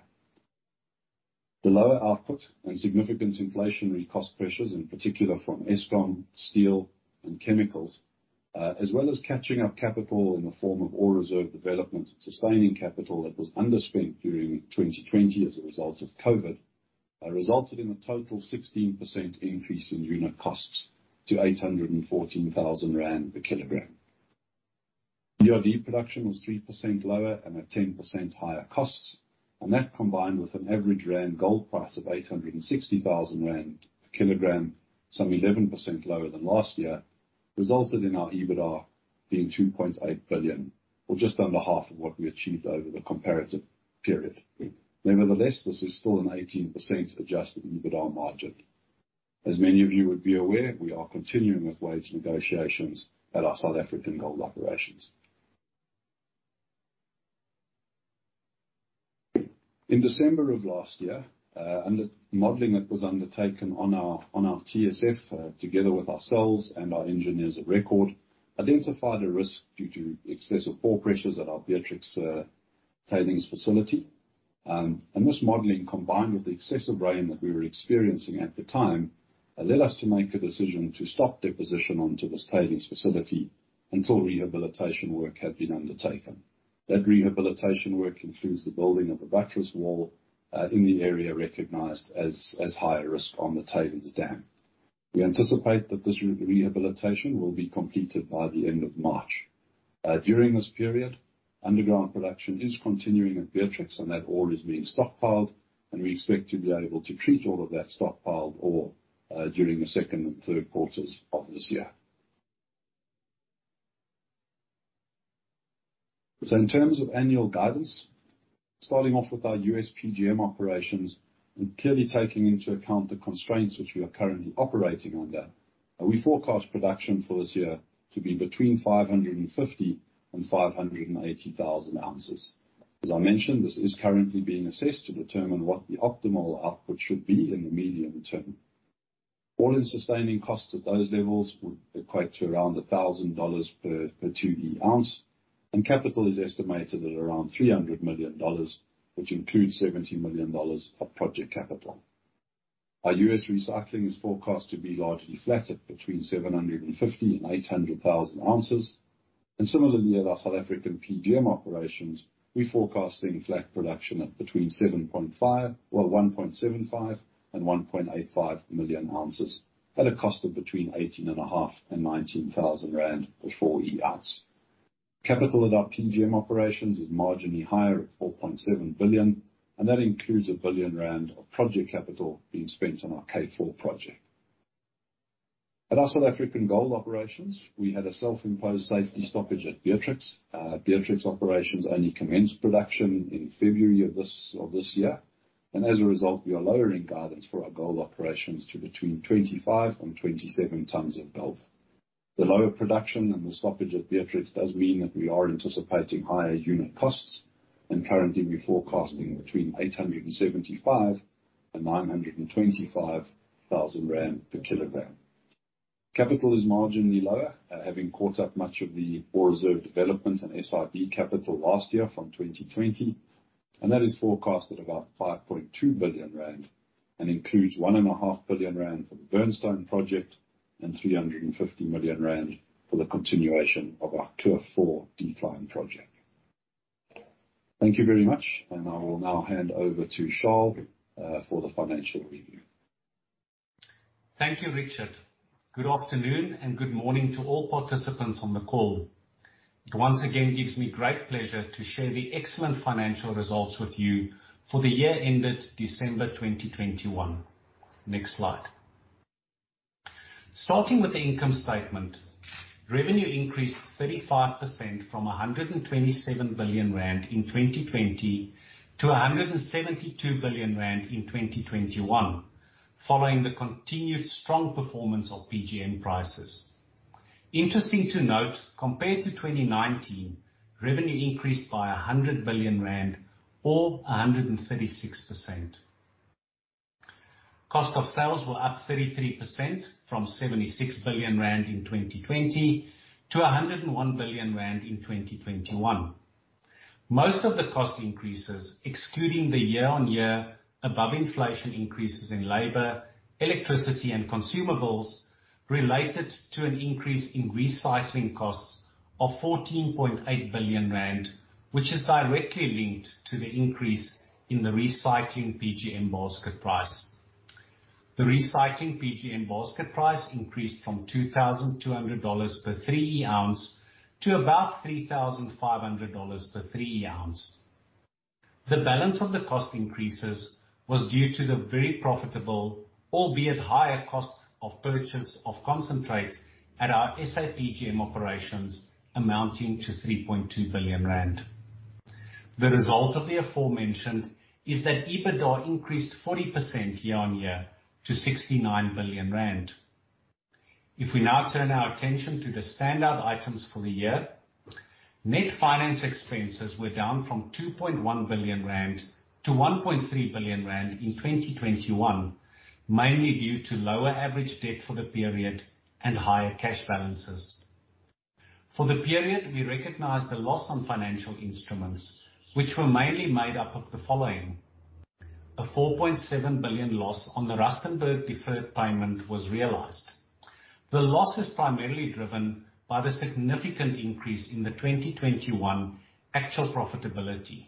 The lower output and significant inflationary cost pressures, in particular from Eskom, steel and chemicals, as well as catching up capital in the form of ore reserve development and sustaining capital that was underspent during 2020 as a result of COVID, resulted in a total 16% increase in unit costs to 814,000 rand per kilogram. Gold production was 3% lower and at 10% higher costs and that combined with an average rand gold price of 860,000 rand per kilogram, some 11% lower than last year, resulted in our EBITDA being 2.8 billion or just under half of what we achieved over the comparative period. Nevertheless, this is still an 18% adjusted EBITDA margin. As many of you would be aware, we are continuing with wage negotiations at our South African gold operations. In December of last year, modeling that was undertaken on our TSF together with ourselves and our engineers of record identified a risk due to excessive pore pressures at our Beatrix tailings facility. This modeling, combined with the excessive rain that we were experiencing at the time, led us to make a decision to stop deposition onto this tailings facility until rehabilitation work had been undertaken. That rehabilitation work includes the building of a buttress wall in the area recognized as high risk on the tailings dam. We anticipate that this rehabilitation will be completed by the end of March. During this period, underground production is continuing at Beatrix and that ore is being stockpiled and we expect to be able to treat all of that stockpiled ore during the second and third quarters of this year. In terms of annual guidance, starting off with our U.S. PGM operations and clearly taking into account the constraints which we are currently operating under, we forecast production for this year to be between 550,000 and 580,000 ounces. As I mentioned, this is currently being assessed to determine what the optimal output should be in the medium term. All-in sustaining costs at those levels would equate to around $1,000 per 2E ounce and capital is estimated at around $300 million, which includes $70 million of project capital. Our U.S. recycling is forecast to be largely flat at between 750,000 and 800,000 ounces. Similarly, at our South African PGM operations, we're forecasting flat production at between 1.75 and 1.85 million ounces at a cost of between 18,500 and 19,000 rand per 4E ounce. Capital at our PGM operations is marginally higher at 4.7 billion and that includes 1 billion rand of project capital being spent on our K4 project. At our South African gold operations, we had a self-imposed safety stoppage at Beatrix. Beatrix operations only commenced production in February of this year. As a result, we are lowering guidance for our gold operations to between 25 and 27 tons of gold. The lower production and the stoppage at Beatrix does mean that we are anticipating higher unit costs and currently we're forecasting between 875,000 and 925,000 rand per kilogram. Capital is marginally lower, having caught up much of the ore reserve development and SIB capital last year from 2020. And that is forecast at about 5.2 billion rand and includes 1.5 billion rand from Burnstone project and 350 million rand for the continuation of our K4 defined project. Thank you very much and I will now hand over to Charl for the financial review. Thank you, Richard. Good afternoon and good morning to all participants on the call. It once again gives me great pleasure to share the excellent financial results with you for the year ended December 2021. Next slide. Starting with the income statement, revenue increased 35% from 127 billion rand in 2020 to 172 billion rand in 2021, following the continued strong performance of PGM prices. Interesting to note, compared to 2019, revenue increased by 100 billion rand or 136%. Cost of sales were up 33% from 76 billion rand in 2020 to 101 billion rand in 2021. Most of the cost increases, excluding the year-on-year above inflation increases in labor, electricity and consumables related to an increase in recycling costs of 14.8 billion rand, which is directly linked to the increase in the recycling PGM basket price. The recycling PGM basket price increased from $2,200 per 3E ounce to about $3,500 per 3E ounce. The balance of the cost increases was due to the very profitable, albeit higher cost of purchase of concentrate at our SA PGM operations amounting to 3.2 billion rand. The result of the aforementioned is that EBITDA increased 40% year-on-year to 69 billion rand. If we now turn our attention to the standout items for the year, net finance expenses were down from 2.1 billion rand to 1.3 billion rand in 2021, mainly due to lower average debt for the period and higher cash balances. For the period, we recognized a loss on financial instruments which were mainly made up of the following. A 4.7 billion loss on the Rustenburg deferred payment was realized. The loss is primarily driven by the significant increase in the 2021 actual profitability,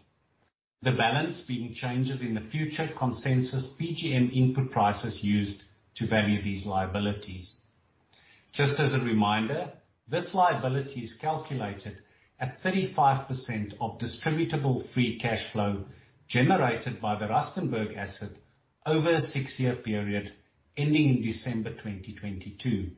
the balance being changes in the future consensus PGM input prices used to value these liabilities. Just as a reminder, this liability is calculated at 35% of distributable free cash flow generated by the Rustenburg asset over a six-year period ending in December 2022.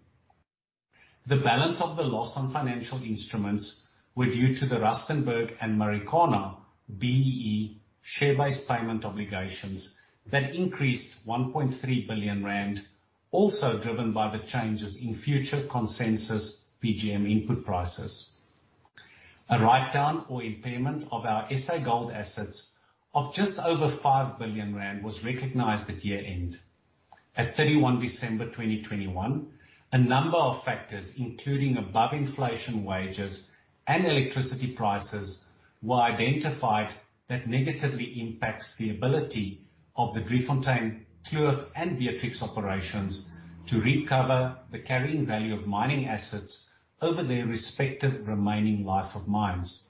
The balance of the loss on financial instruments were due to the Rustenburg and Marikana BEE share-based payment obligations that increased 1.3 billion rand, also driven by the changes in future consensus PGM input prices. A write down or impairment of our SA Gold assets of just over 5 billion rand was recognized at year-end. At 31 December 2021, a number of factors, including above inflation wages and electricity prices, were identified that negatively impacts the ability of the Driefontein, Kloof and Beatrix operations to recover the carrying value of mining assets over their respective remaining life of mines.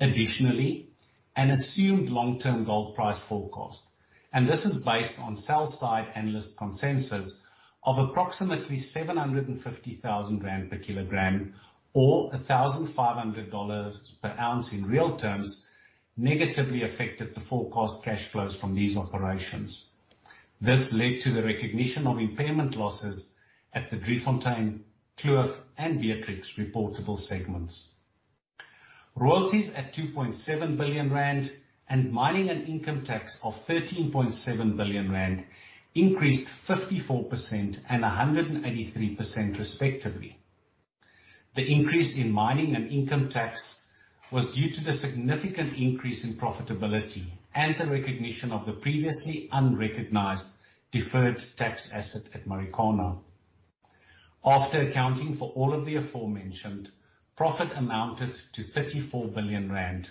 Additionally, an assumed long-term gold price forecast and this is based on sell-side analyst consensus of approximately 750,000 rand per kilogram or $1,500 per ounce in real terms, negatively affected the forecast cash flows from these operations. This led to the recognition of impairment losses at the Driefontein, Kloof and Beatrix reportable segments. Royalties at 2.7 billion rand and mining and income tax of 13.7 billion rand increased 54% and 183% respectively. The increase in mining and income tax was due to the significant increase in profitability and the recognition of the previously unrecognized deferred tax asset at Marikana. After accounting for all of the aforementioned, profit amounted to 34 billion rand.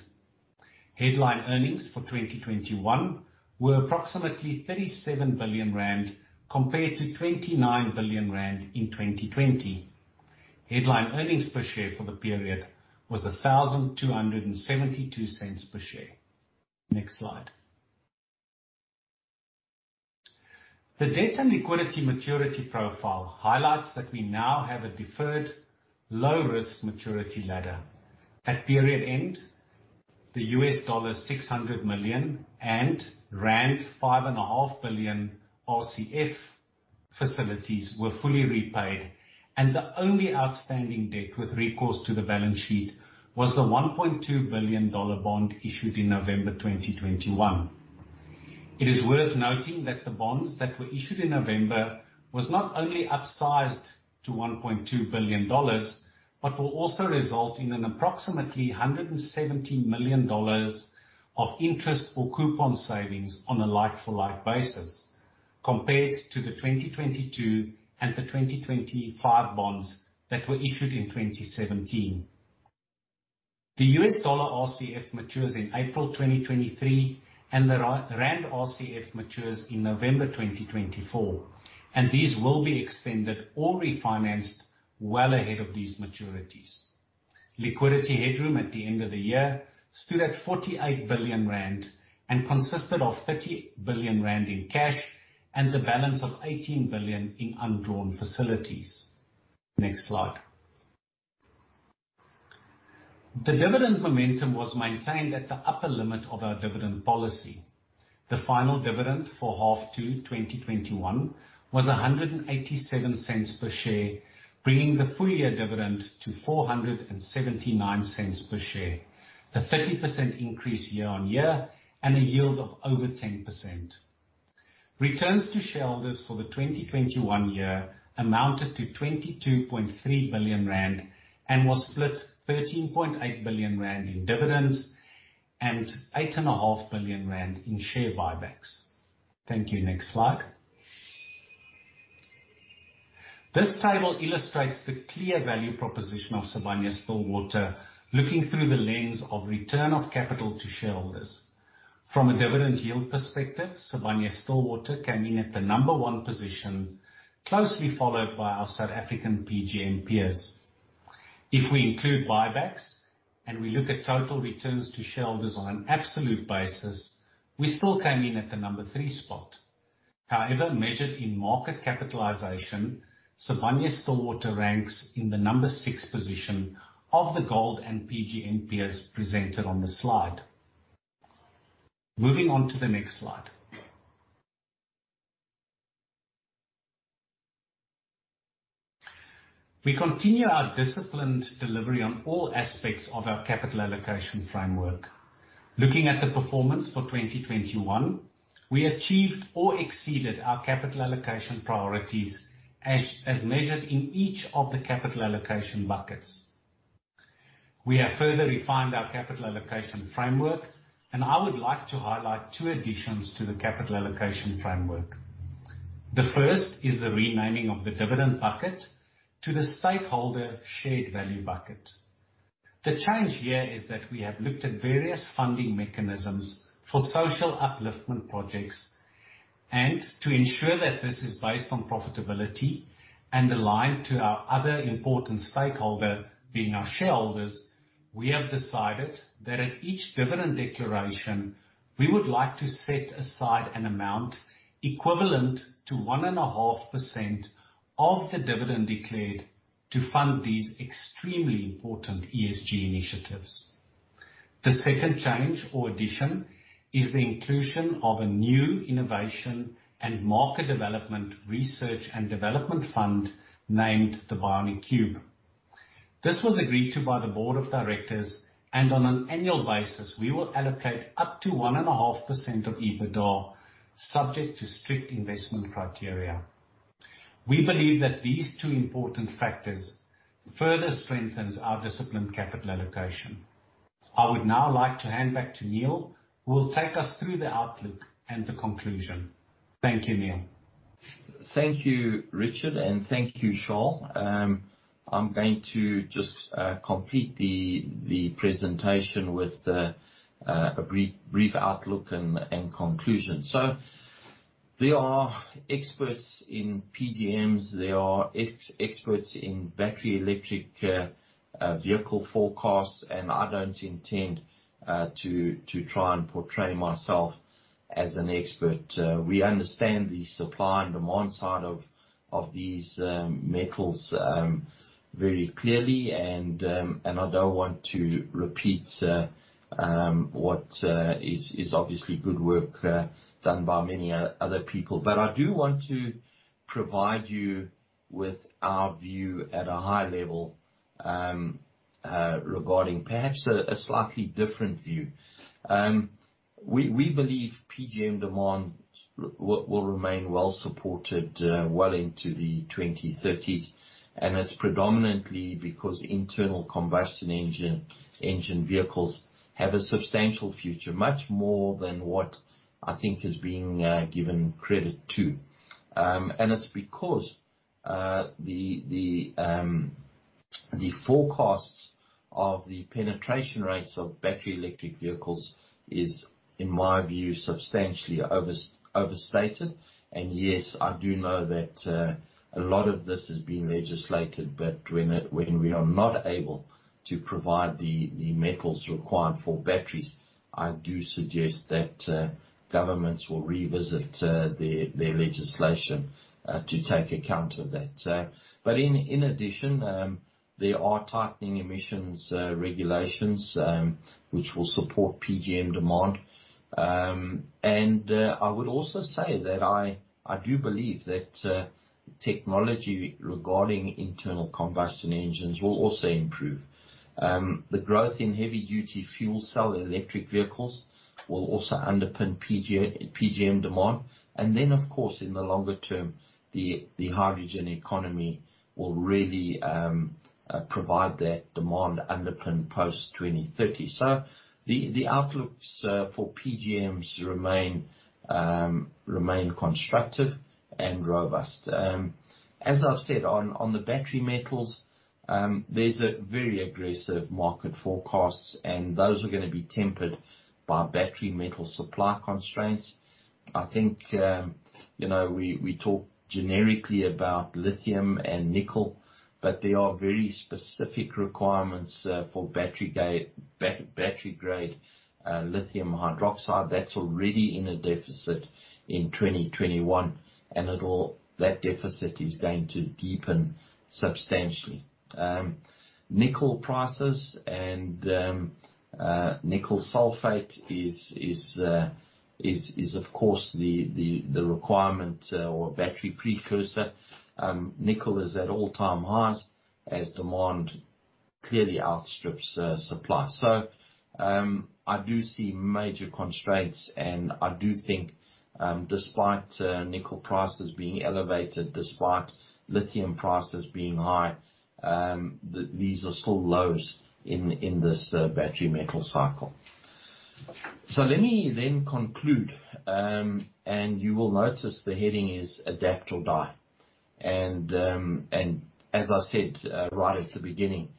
Headline earnings for 2021 were approximately 37 billion rand compared to 29 billion rand in 2020. Headline earnings per share for the period was 1,272 cents per share. Next slide. The debt and liquidity maturity profile highlights that we now have a deferred low risk maturity ladder. At period end, the $600 million and rand 5.5 billion RCF facilities were fully repaid and the only outstanding debt with recourse to the balance sheet was the $1.2 billion bond issued in November 2021. It is worth noting that the bonds that were issued in November was not only upsized to $1.2 billion but will also result in an approximately $170 million of interest or coupon savings on a like for like basis compared to the 2022 and the 2025 bonds that were issued in 2017. The U.S. dollar RCF matures in April 2023 and the rand RCF matures in November 2024. These will be extended or refinanced well ahead of these maturities. Liquidity headroom at the end of the year stood at 48 billion rand and consisted of 30 billion rand in cash and the balance of 18 billion in undrawn facilities. Next slide. The dividend momentum was maintained at the upper limit of our dividend policy. The final dividend for half to 2021 was 1.87 per share, bringing the full year dividend to 4.79 per share. A 30% increase year-on-year and a yield of over 10%. Returns to shareholders for the 2021 year amounted to 22.3 billion rand and was split 13.8 billion rand in dividends and 8.5 billion rand in share buybacks. Thank you. Next slide. This table illustrates the clear value proposition of Sibanye-Stillwater looking through the lens of return of capital to shareholders. From a dividend yield perspective, Sibanye-Stillwater came in at the number one position, closely followed by our South African PGM peers. If we include buybacks and we look at total returns to shareholders on an absolute basis, we still came in at the number three spot. However, measured in market capitalization, Sibanye-Stillwater ranks in the number six position of the gold and PGM peers presented on the slide. Moving on to the next slide. We continue our disciplined delivery on all aspects of our capital allocation framework. Looking at the performance for 2021, we achieved or exceeded our capital allocation priorities as measured in each of the capital allocation buckets. We have further refined our capital allocation framework and I would like to highlight two additions to the capital allocation framework. The first is the renaming of the dividend bucket to the stakeholder shared value bucket. The change here is that we have looked at various funding mechanisms for social upliftment projects and to ensure that this is based on profitability and aligned to our other important stakeholder, being our shareholders. We have decided that at each dividend declaration, we would like to set aside an amount equivalent to 1.5% of the dividend declared to fund these extremely important ESG initiatives. The second change or addition is the inclusion of a new innovation and market development research and development fund named the BioniCCube. This was agreed to by the board of directors and on an annual basis, we will allocate up to 1.5% of EBITDA, subject to strict investment criteria. We believe that these two important factors further strengthens our disciplined capital allocation. I would now like to hand back to Neal, who will take us through the outlook and the conclusion. Thank you, Neal. Thank you, Richard and thank you, Charl. I'm going to just complete the presentation with a brief outlook and conclusion. There are experts in PGMs. There are experts in battery electric vehicle forecasts. I don't intend to try and portray myself as an expert. We understand the supply and demand side of these metals very clearly. I don't want to repeat what is obviously good work done by many other people. I do want to provide you with our view at a high level regarding perhaps a slightly different view. We believe PGM demand will remain well supported well into the 2030s. It's predominantly because internal combustion engine vehicles have a substantial future, much more than what I think is being given credit to. It's because the forecasts of the penetration rates of battery electric vehicles is, in my view, substantially overstated. Yes, I do know that a lot of this is being legislated but when we are not able to provide the metals required for batteries, I do suggest that governments will revisit their legislation to take account of that. In addition, there are tightening emissions regulations which will support PGM demand. I would also say that I do believe that technology regarding internal combustion engines will also improve. The growth in heavy-duty fuel cell electric vehicles will also underpin PGM demand. In the longer term, the hydrogen economy will really provide that demand underpin post-2030. The outlooks for PGMs remain constructive and robust. As I've said on the battery metals, there's a very aggressive market forecasts and those are gonna be tempered by battery metal supply constraints. I think, you know, we talk generically about lithium and nickel but there are very specific requirements for battery grade lithium hydroxide that's already in a deficit in 2021 and that deficit is going to deepen substantially. Nickel prices and nickel sulfate is of course the requirement for battery precursor. Nickel is at all-time highs as demand clearly outstrips supply. I do see major constraints and I do think, despite nickel prices being elevated, despite lithium prices being high, these are still lows in this battery metal cycle. Let me then conclude and you will notice the heading is Adapt or Die. As I said right at the beginning,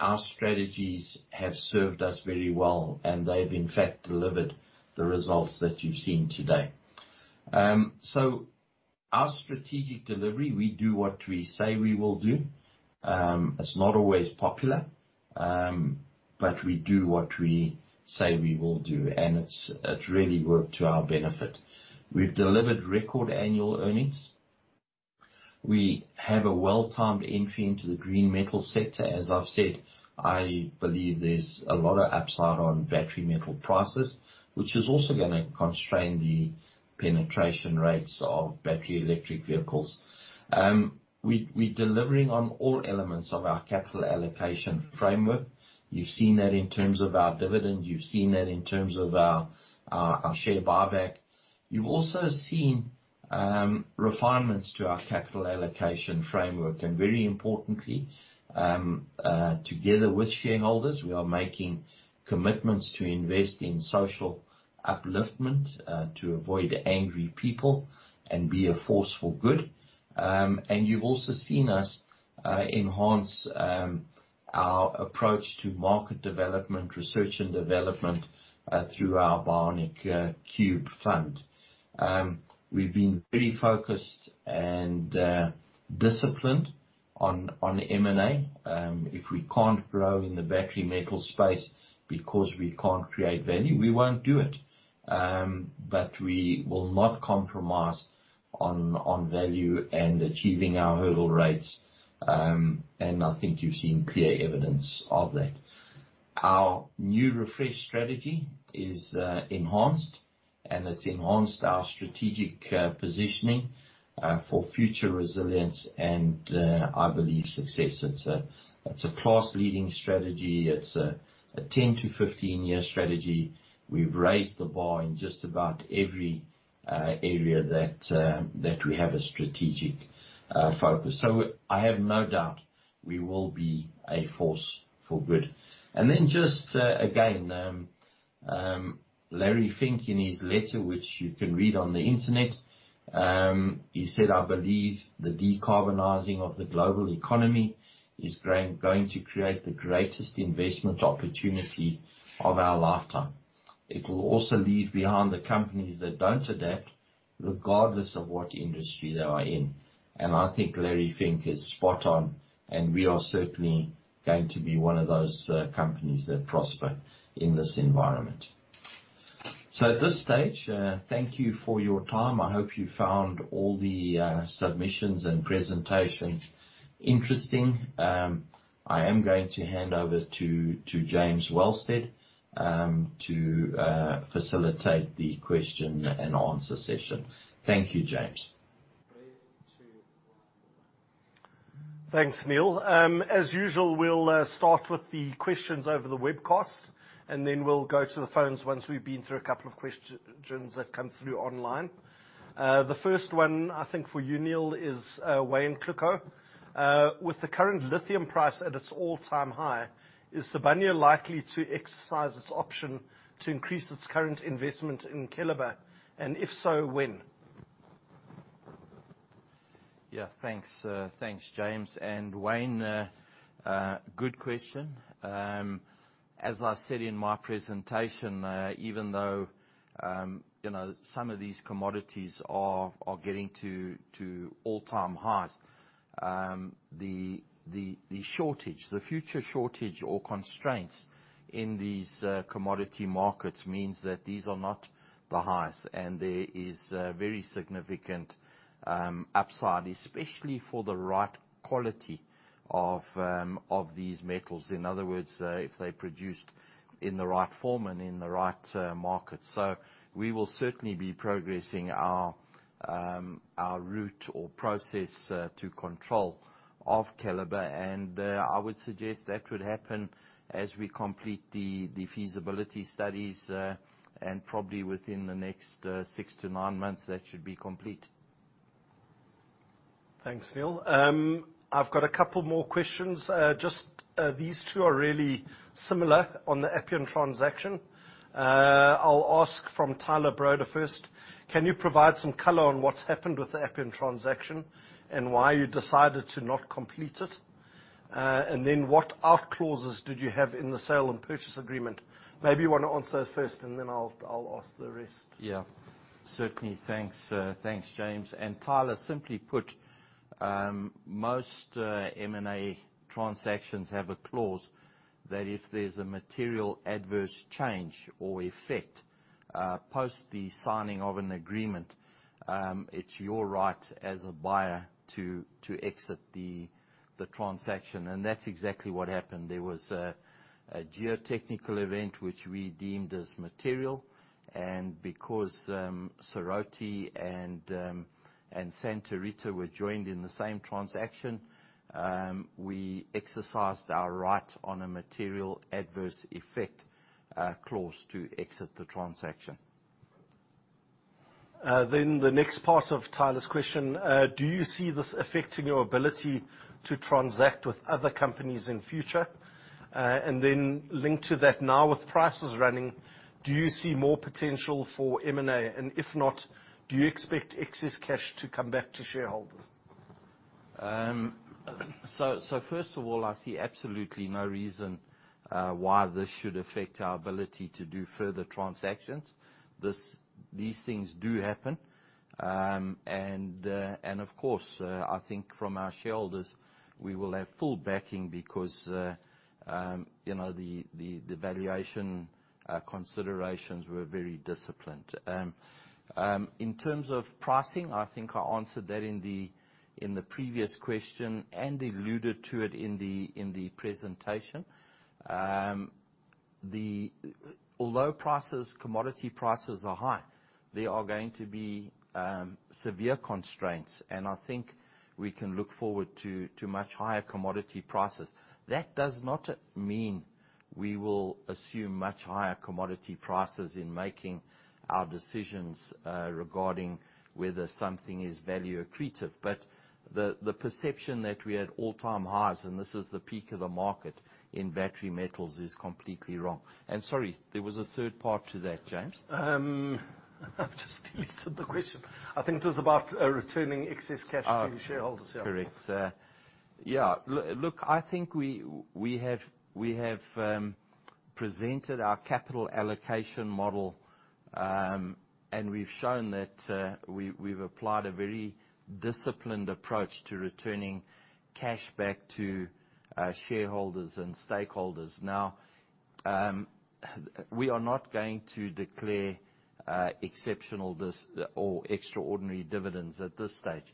our strategies have served us very well and they've in fact delivered the results that you've seen today. Our strategic delivery, we do what we say we will do. It's not always popular but we do what we say we will do and it's really worked to our benefit. We've delivered record annual earnings. We have a well-timed entry into the green metal sector. As I've said, I believe there's a lot of upside on battery metal prices, which is also gonna constrain the penetration rates of battery electric vehicles. We're delivering on all elements of our capital allocation framework. You've seen that in terms of our dividend. You've seen that in terms of our share buyback. You've also seen refinements to our capital allocation framework and very importantly, together with shareholders, we are making commitments to invest in social upliftment to avoid angry people and be a force for good. You've also seen us enhance our approach to market development, research and development through our BioniCCube fund. We've been very focused and disciplined on M&A. If we can't grow in the battery metal space because we can't create value, we won't do it. We will not compromise on value and achieving our hurdle rates. I think you've seen clear evidence of that. Our new refreshed strategy is enhanced and it's enhanced our strategic positioning for future resilience and I believe success. It's a class-leading strategy. It's a 10-15-year strategy. We've raised the bar in just about every area that we have a strategic focus. I have no doubt we will be a force for good. Larry Fink in his letter, which you can read on the internet, he said, "I believe the decarbonizing of the global economy is going to create the greatest investment opportunity of our lifetime. It will also leave behind the companies that don't adapt, regardless of what industry they are in." I think Larry Fink is spot on and we are certainly going to be one of those companies that prosper in this environment. At this stage, thank you for your time. I hope you found all the submissions and presentations interesting. I am going to hand over to James Wellsted to facilitate the question-and-answer session. Thank you, James. Thanks, Neal. As usual, we'll start with the questions over the webcast and then we'll go to the phones once we've been through a couple of questions that come through online. The first one, I think for you, Neal, is Wayne Klugo. With the current lithium price at its all-time high, is Sibanye likely to exercise its option to increase its current investment in Keliber? And if so, when? Yeah, thanks, James. Wayne, good question. As I said in my presentation, even though, you know, some of these commodities are getting to all-time highs, the shortage, the future shortage or constraints in these commodity markets means that these are not the highs and there is a very significant upside, especially for the right quality of these metals. In other words, if they're produced in the right form and in the right market. We will certainly be progressing our route or process to control of Keliber. I would suggest that would happen as we complete the feasibility studies and probably within the next six to nine months, that should be complete. Thanks, Neal. I've got a couple more questions. Just these two are really similar on the Appian transaction. I'll ask from Tyler Broda first. Can you provide some color on what's happened with the Appian transaction and why you decided to not complete it? And then what out clauses did you have in the sale and purchase agreement? Maybe you wanna answer those first and then I'll ask the rest. Yeah. Certainly. Thanks, James. Tyler, simply put, most M&A transactions have a clause that if there's a material adverse change or effect post the signing of an agreement, it's your right as a buyer to exit the transaction and that's exactly what happened. There was a geotechnical event which we deemed as material and because Serrote and Santa Rita were joined in the same transaction, we exercised our right on a material adverse effect clause to exit the transaction. The next part of Tyler's question. Do you see this affecting your ability to transact with other companies in future? Linked to that, now with prices running, do you see more potential for M&A? And if not, do you expect excess cash to come back to shareholders? First of all, I see absolutely no reason why this should affect our ability to do further transactions. These things do happen. Of course, I think from our shareholders we will have full backing because, you know, the valuation considerations were very disciplined. In terms of pricing, I think I answered that in the previous question and alluded to it in the presentation. Although commodity prices are high, there are going to be severe constraints. I think we can look forward to much higher commodity prices. That does not mean we will assume much higher commodity prices in making our decisions regarding whether something is value accretive. The perception that we're at all-time highs and this is the peak of the market in battery metals is completely wrong. Sorry, there was a third part to that, James. I've just deleted the question. I think it was about returning excess cash to your shareholders. Yeah. Correct. Look, I think we have presented our capital allocation model and we've shown that we've applied a very disciplined approach to returning cash back to our shareholders and stakeholders. Now, we are not going to declare exceptional discretionary or extraordinary dividends at this stage.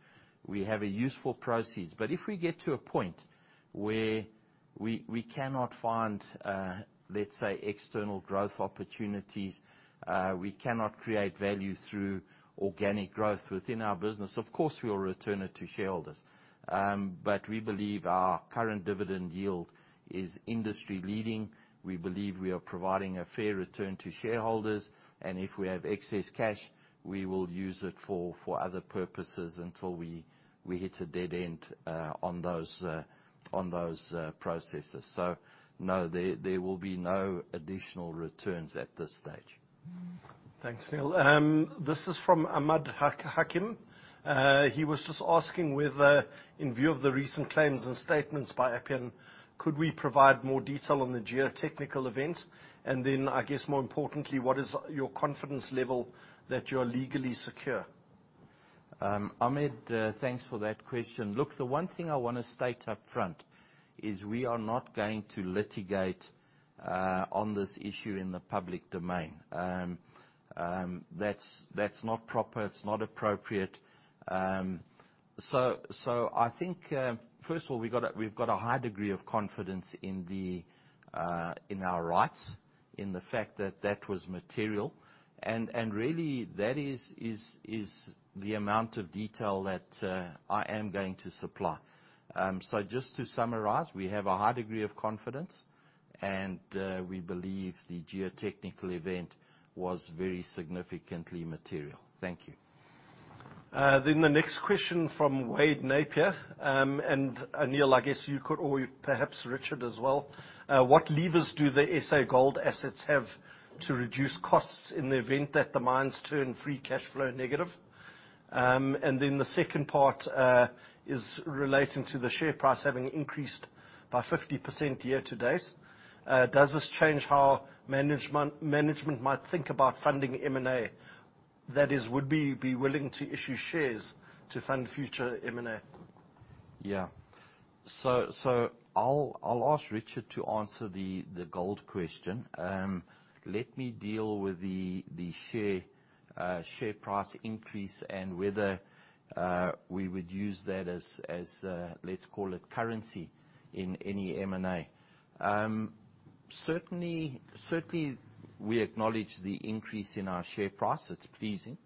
We have useful proceeds. If we get to a point where we cannot find, let's say, external growth opportunities, we cannot create value through organic growth within our business, of course, we will return it to shareholders. We believe our current dividend yield is industry-leading. We believe we are providing a fair return to shareholders and if we have excess cash, we will use it for other purposes until we hit a dead end on those processes. No, there will be no additional returns at this stage. Thanks, Neal. This is from Ahmed Hakim. He was just asking whether, in view of the recent claims and statements by Appian, could we provide more detail on the geotechnical events? I guess more importantly, what is your confidence level that you're legally secure? Ahmed, thanks for that question. Look, the one thing I wanna state up front is we are not going to litigate on this issue in the public domain. That's not proper. It's not appropriate. I think, first of all, we've got a high degree of confidence in our rights, in the fact that that was material. Really that is the amount of detail that I am going to supply. Just to summarize, we have a high degree of confidence and we believe the geotechnical event was very significantly material. Thank you. The next question from Wade Napier. Neal, I guess you could or perhaps Richard as well. What levers do the SA Gold assets have to reduce costs in the event that the mines turn free cash flow negative? The second part is relating to the share price having increased by 50% year to date. Does this change how management might think about funding M&A? That is, would we be willing to issue shares to fund future M&A? I'll ask Richard to answer the gold question. Let me deal with the share price increase and whether we would use that as let's call it currency in any M&A. Certainly we acknowledge the increase in our share price. It's pleasing.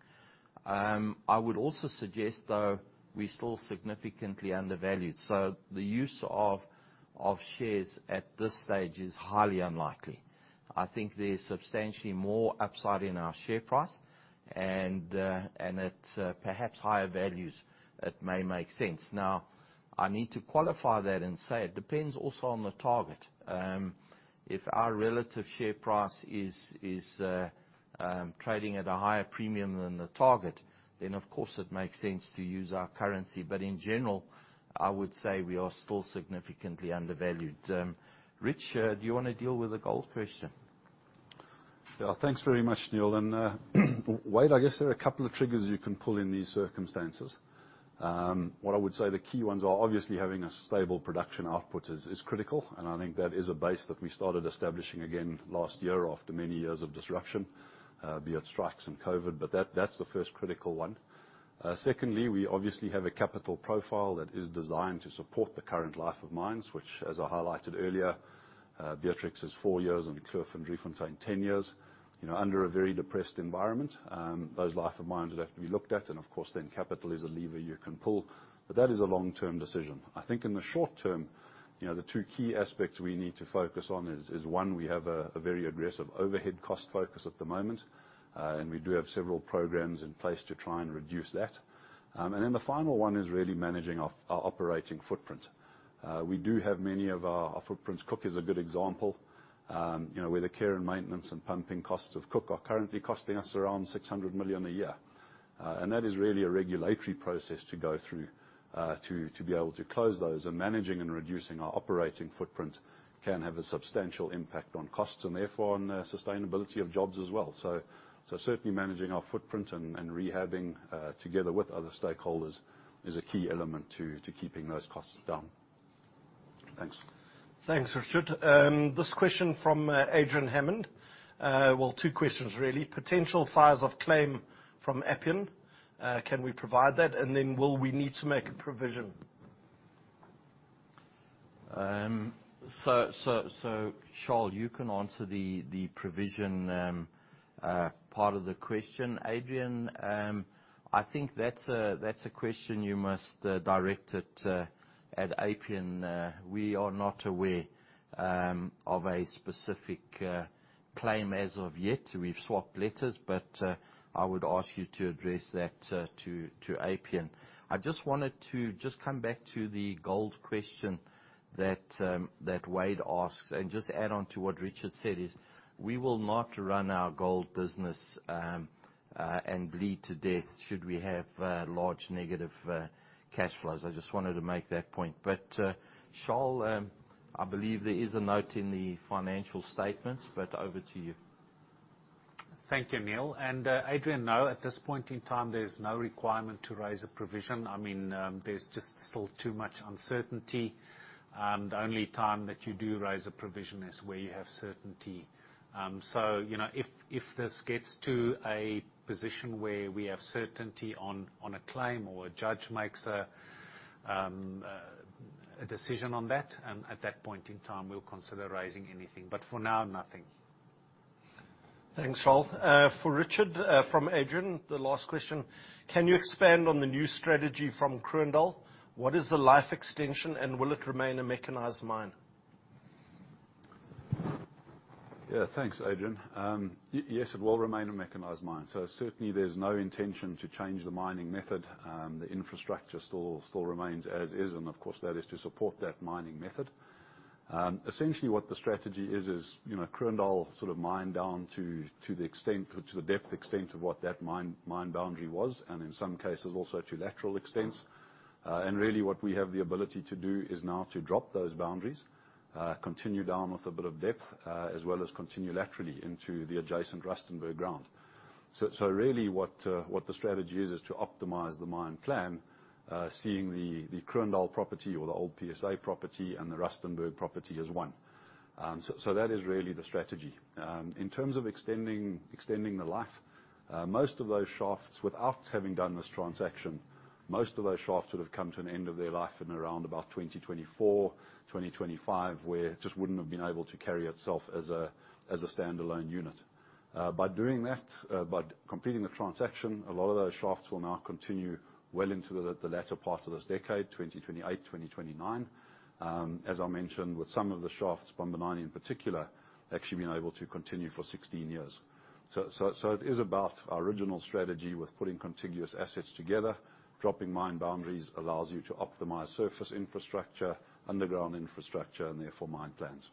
I would also suggest, though, we're still significantly undervalued. The use of shares at this stage is highly unlikely. I think there's substantially more upside in our share price and perhaps higher values that may make sense. Now, I need to qualify that and say it depends also on the target. If our relative share price is trading at a higher premium than the target, then of course it makes sense to use our currency. In general, I would say we are still significantly undervalued. Rich, do you wanna deal with the gold question? Yeah, thanks very much, Neal. Well, Wade, I guess there are a couple of triggers you can pull in these circumstances. What I would say the key ones are obviously having a stable production output is critical and I think that is a base that we started establishing again last year after many years of disruption, be it strikes and COVID but that's the first critical one. Secondly, we obviously have a capital profile that is designed to support the current life of mines, which as I highlighted earlier, Beatrix is four years and Kloof and Driefontein, 10 years. You know, under a very depressed environment, those life of mines would have to be looked at and of course, then capital is a lever you can pull. That is a long-term decision. I think in the short term, you know, the two key aspects we need to focus on is one. We have a very aggressive overhead cost focus at the moment and we do have several programs in place to try and reduce that. And then the final one is really managing our operating footprint. We do have many of our footprints. Cooke is a good example, you know, where the care and maintenance and pumping costs of Cooke are currently costing us around 600 million a year. And that is really a regulatory process to go through to be able to close those. Managing and reducing our operating footprint can have a substantial impact on costs and therefore on the sustainability of jobs as well. Certainly managing our footprint and rehabbing together with other stakeholders is a key element to keeping those costs down. Thanks. Thanks, Richard. This question from Adrian Hammond. Well, two questions really. Potential size of claim from Appian, can we provide that? Will we need to make a provision? Charles, you can answer the provision part of the question. Adrian, I think that's a question you must direct it at Appian. We are not aware of a specific claim as of yet. We've swapped letters but I would ask you to address that to Appian. I just wanted to just come back to the gold question that Wade asks and just add on to what Richard said, is we will not run our gold business and bleed to death should we have large negative cash flows. I just wanted to make that point. Charles, I believe there is a note in the financial statements but over to you. Thank you, Neal. Adrian, no, at this point in time, there's no requirement to raise a provision. I mean, there's just still too much uncertainty. The only time that you do raise a provision is where you have certainty. You know, if this gets to a position where we have certainty on a claim or a judge makes a decision on that, at that point in time, we'll consider raising anything but for now, nothing. Thanks, Charl. For Richard, from Adrian, the last question. Can you expand on the new strategy from Kroondal? What is the life extension and will it remain a mechanized mine? Yeah. Thanks, Adrian. Yes, it will remain a mechanized mine. Certainly there's no intention to change the mining method. The infrastructure still remains as is and of course, that is to support that mining method. Essentially what the strategy is, you know, Kroondal sort of mine down to the depth extent of what that mine boundary was and in some cases also to lateral extents. Really what we have the ability to do is now to drop those boundaries, continue down with a bit of depth, as well as continue laterally into the adjacent Rustenburg ground. Really what the strategy is to optimize the mine plan, seeing the Kroondal property or the old PSA property and the Rustenburg property as one. That is really the strategy. In terms of extending the life, most of those shafts, without having done this transaction, most of those shafts would have come to an end of their life in around 2024-2025, where it just wouldn't have been able to carry itself as a standalone unit. By doing that, by completing the transaction, a lot of those shafts will now continue well into the latter part of this decade, 2028-2029. As I mentioned, with some of the shafts, Bambanani 9 in particular, actually being able to continue for 16 years. It is about our original strategy with putting contiguous assets together. Dropping mine boundaries allows you to optimize surface infrastructure, underground infrastructure and therefore mine plans.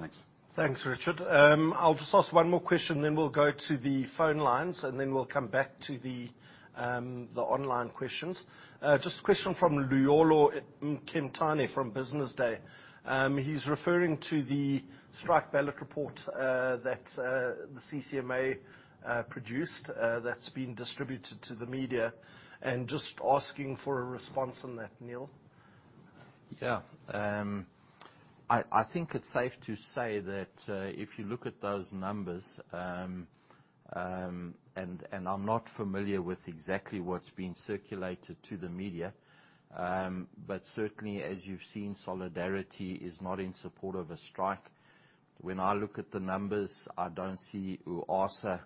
Thanks. Thanks, Richard. I'll just ask one more question, then we'll go to the phone lines and then we'll come back to the online questions. Just a question from Luyolo Mkentane from Business Day. He's referring to the strike ballot report that the CCMA produced that's been distributed to the media and just asking for a response on that, Neal. Yeah. I think it's safe to say that if you look at those numbers and I'm not familiar with exactly what's been circulated to the media but certainly, as you've seen, Solidarity is not in support of a strike. When I look at the numbers, I don't see UASA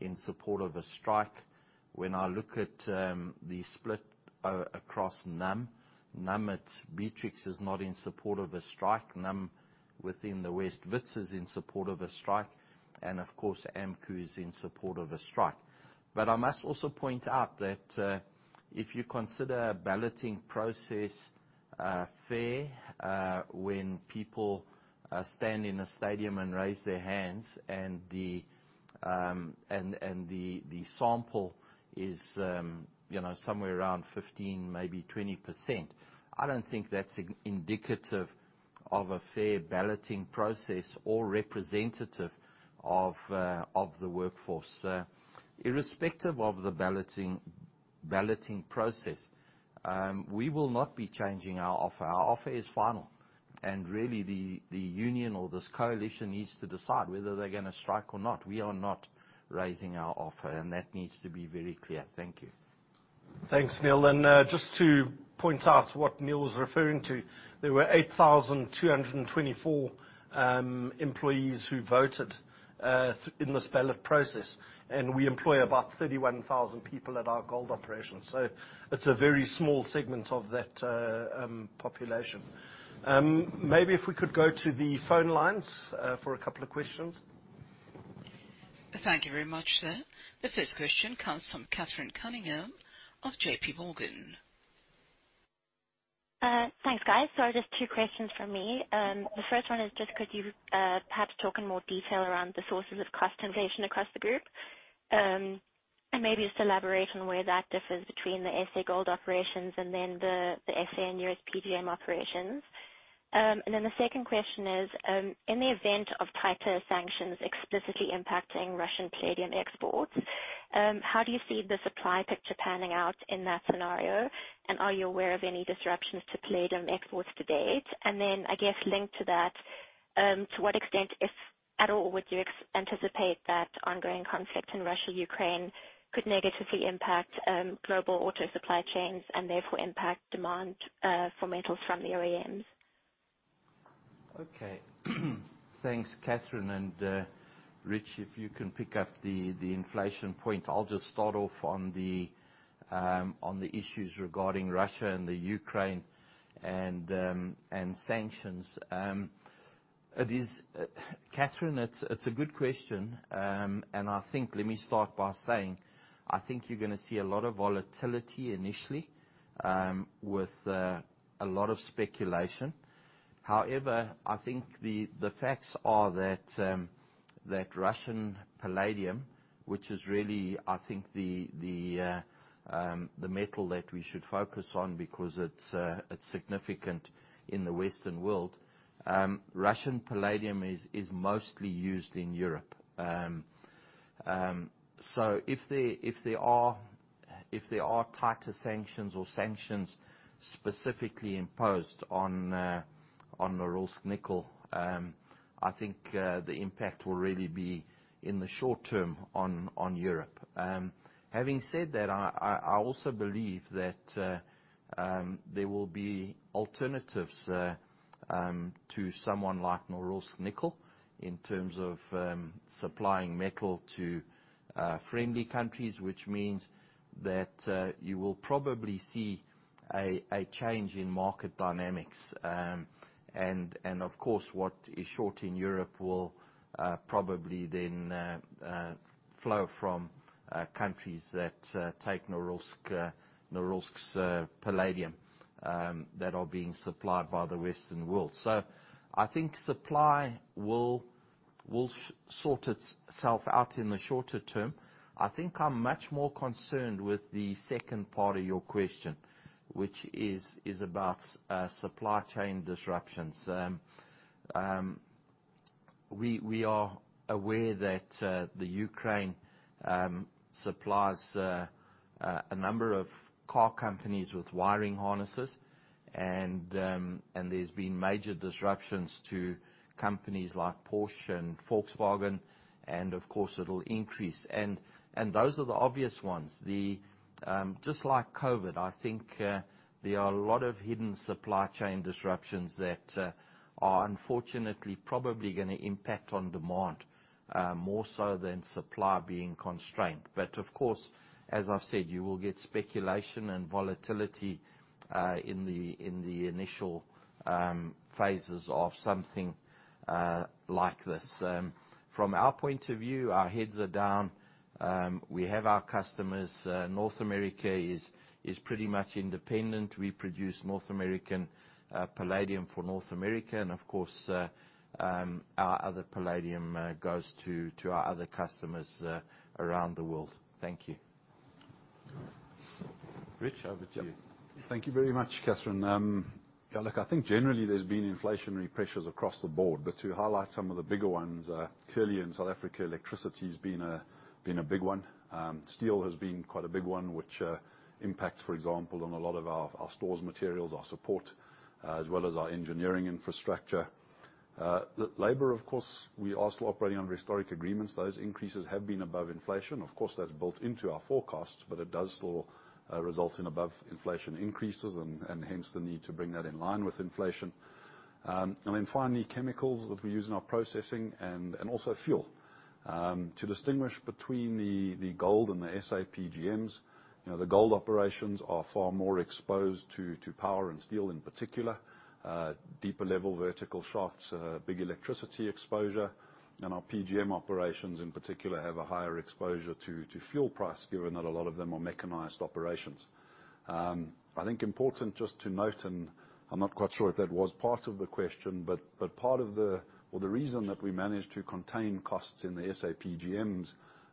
in support of a strike. When I look at the split across NUM at Beatrix is not in support of a strike. NUM within the West Wits is in support of a strike. Of course, AMCU is in support of a strike. I must also point out that if you consider a balloting process fair when people stand in a stadium and raise their hands and the sample is, you know, somewhere around 15, maybe 20%. I don't think that's indicative of a fair balloting process or representative of the workforce. Irrespective of the balloting process, we will not be changing our offer. Our offer is final. Really, the union or this coalition needs to decide whether they're gonna strike or not. We are not raising our offer and that needs to be very clear. Thank you. Thanks, Neal. Just to point out what Neal was referring to, there were 8,024 employees who voted in this ballot process and we employ about 31,000 people at our gold operation. It's a very small segment of that population. Maybe if we could go to the phone lines for a couple of questions. Thank you very much, sir. The first question comes from Catherine Cunningham of JPMorgan. Thanks, guys. Just two questions from me. The first one is just could you perhaps talk in more detail around the sources of cost inflation across the group and maybe just elaborate on where that differs between the SA gold operations and then the SA and U.S. PGM operations. The second question is, in the event of tighter sanctions explicitly impacting Russian palladium exports, how do you see the supply picture panning out in that scenario and are you aware of any disruptions to palladium exports to date? I guess linked to that, to what extent, if at all, would you anticipate that ongoing conflict in Russia/Ukraine could negatively impact global auto supply chains and therefore impact demand for metals from the OEMs? Okay. Thanks, Catherine and Rich, if you can pick up the inflation point. I'll just start off on the issues regarding Russia and the Ukraine and sanctions. Catherine, it's a good question. I think, let me start by saying, I think you're gonna see a lot of volatility initially with a lot of speculation. However, I think the facts are that Russian palladium, which is really, I think the metal that we should focus on because it's significant in the Western world, Russian palladium is mostly used in Europe. If there are tighter sanctions or sanctions specifically imposed on Norilsk Nickel, I think the impact will really be in the short term on Europe. Having said that, I also believe that there will be alternatives to someone like Norilsk Nickel in terms of supplying metal to friendly countries, which means that you will probably see a change in market dynamics. Of course, what is short in Europe will probably then flow from countries that take Norilsk's palladium that are being supplied by the Western world. I think supply will sort itself out in the shorter term. I think I'm much more concerned with the second part of your question, which is about supply chain disruptions. We are aware that Ukraine supplies a number of car companies with wiring harnesses and there's been major disruptions to companies like Porsche and Volkswagen and of course it'll increase. Those are the obvious ones. Then just like COVID, I think, there are a lot of hidden supply chain disruptions that are unfortunately probably gonna impact on demand more so than supply being constrained. Of course, as I've said, you will get speculation and volatility in the initial phases of something like this. From our point of view, our heads are down. We have our customers. North America is pretty much independent. We produce North American palladium for North America and of course, our other palladium goes to our other customers around the world. Thank you. Rich, over to you. Thank you very much, Catherine. Yeah, look, I think generally there's been inflationary pressures across the board but to highlight some of the bigger ones, clearly in South Africa, electricity's been a big one. Steel has been quite a big one, which impacts, for example, on a lot of our stores materials, our support, as well as our engineering infrastructure. Labor, of course, we are still operating under historic agreements. Those increases have been above inflation. Of course, that's built into our forecasts but it does still result in above inflation increases and hence the need to bring that in line with inflation. Then finally, chemicals that we use in our processing and also fuel. To distinguish between the gold and the SA PGMs, you know, the gold operations are far more exposed to power and steel in particular, deeper level vertical shafts, big electricity exposure. Our PGM operations in particular have a higher exposure to fuel price, given that a lot of them are mechanized operations. I think it's important just to note and I'm not quite sure if that was part of the question. Well, the reason that we managed to contain costs in the SA PGMs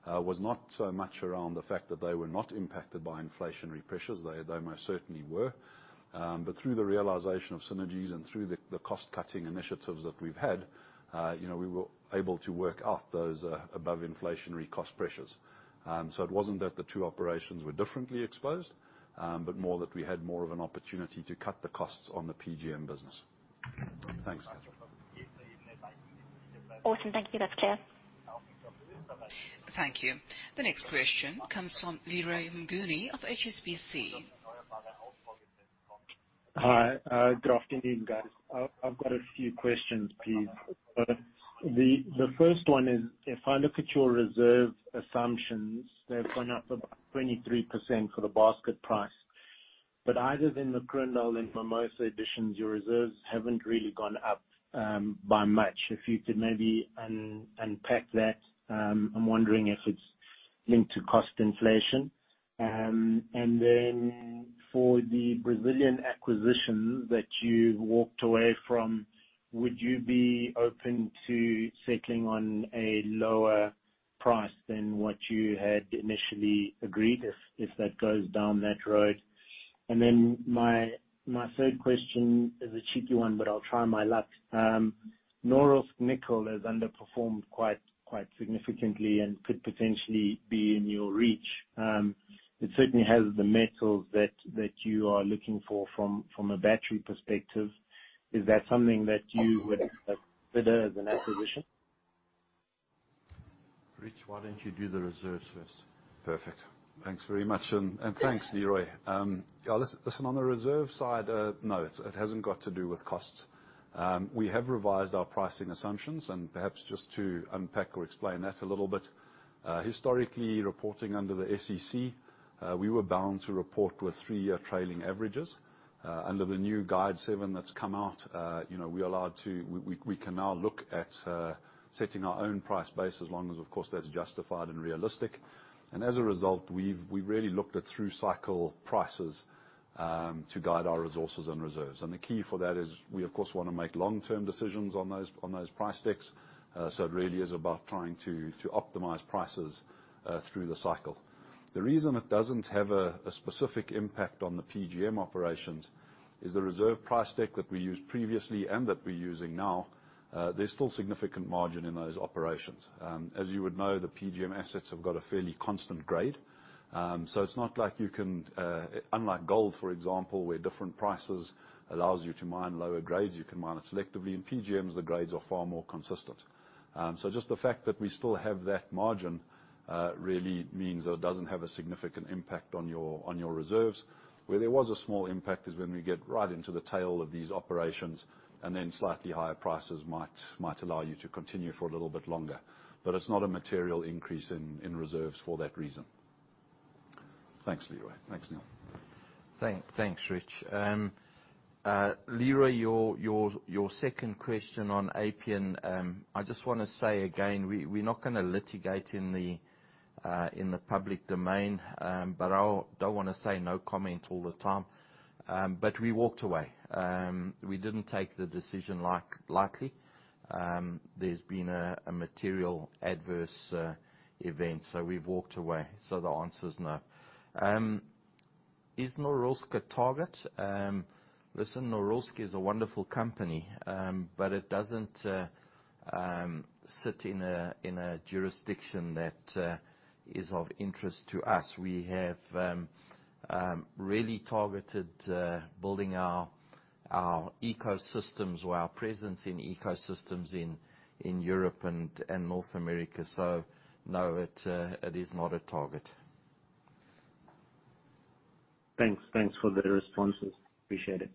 was not so much around the fact that they were not impacted by inflationary pressures. They most certainly were. Through the realization of synergies and through the cost-cutting initiatives that we've had, you know, we were able to work out those above-inflationary cost pressures. It wasn't that the two operations were differently exposed but more that we had more of an opportunity to cut the costs on the PGM business. Thanks. Awesome. Thank you. That's clear. Thank you. The next question comes from Leroy Mnguni of HSBC. Hi. Good afternoon, guys. I've got a few questions, please. The first one is, if I look at your reserve assumptions, they've gone up about 23% for the basket price. Neither in the Kroondal and Mimosa additions, your reserves haven't really gone up by much. If you could maybe unpack that, I'm wondering if it's linked to cost inflation. For the Brazilian acquisition that you walked away from, would you be open to settling on a lower price than what you had initially agreed, if that goes down that road? My third question is a cheeky one but I'll try my luck. Norilsk Nickel has underperformed quite significantly and could potentially be in your reach. It certainly has the metals that you are looking for from a battery perspective. Is that something that you would consider as an acquisition? Rich, why don't you do the reserves first? Perfect. Thanks very much. Thanks, Leroy. Yeah, listen, on the reserve side, no, it hasn't got to do with cost. We have revised our pricing assumptions and perhaps just to unpack or explain that a little bit, historically, reporting under the SEC, we were bound to report with three-year trailing averages. Under the new S-K 1300 that's come out, you know, we can now look at setting our own price base as long as, of course, that's justified and realistic. As a result, we've really looked at through-cycle prices to guide our resources and reserves. The key for that is we, of course, wanna make long-term decisions on those price decks. It really is about trying to optimize prices through the cycle. The reason it doesn't have a specific impact on the PGM operations is the reserve price deck that we used previously and that we're using now. There's still significant margin in those operations. As you would know, the PGM assets have got a fairly constant grade. So it's not like, unlike gold, for example, where different prices allows you to mine lower grades, you can mine it selectively. In PGMs, the grades are far more consistent. So just the fact that we still have that margin really means that it doesn't have a significant impact on your reserves. Where there was a small impact is when we get right into the tail of these operations and then slightly higher prices might allow you to continue for a little bit longer. It's not a material increase in reserves for that reason. Thanks, Leroy. Thanks, Neal. Thanks, Rich. Leroy, your second question on Appian, I just wanna say again, we're not gonna litigate in the public domain. But I don't wanna say no comment all the time. But we walked away. We didn't take the decision lightly. There's been a material adverse event, so we've walked away. So the answer is no. Is Norilsk a target? Listen, Norilsk is a wonderful company but it doesn't sit in a jurisdiction that is of interest to us. We have really targeted building our ecosystems or our presence in ecosystems in Europe and North America. So no, it is not a target. Thanks. Thanks for the responses. Appreciate it.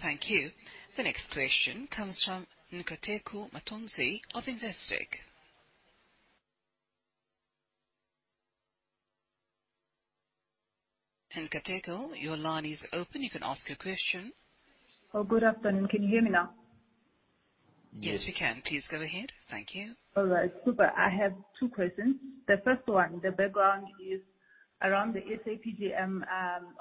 Thank you. The next question comes from Nkateko Mathonsi of Investec. Nkateko, your line is open. You can ask your question. Oh, good afternoon. Can you hear me now? Yes, we can. Please go ahead. Thank you. All right. Super. I have two questions. The first one, the background is around the SA PGM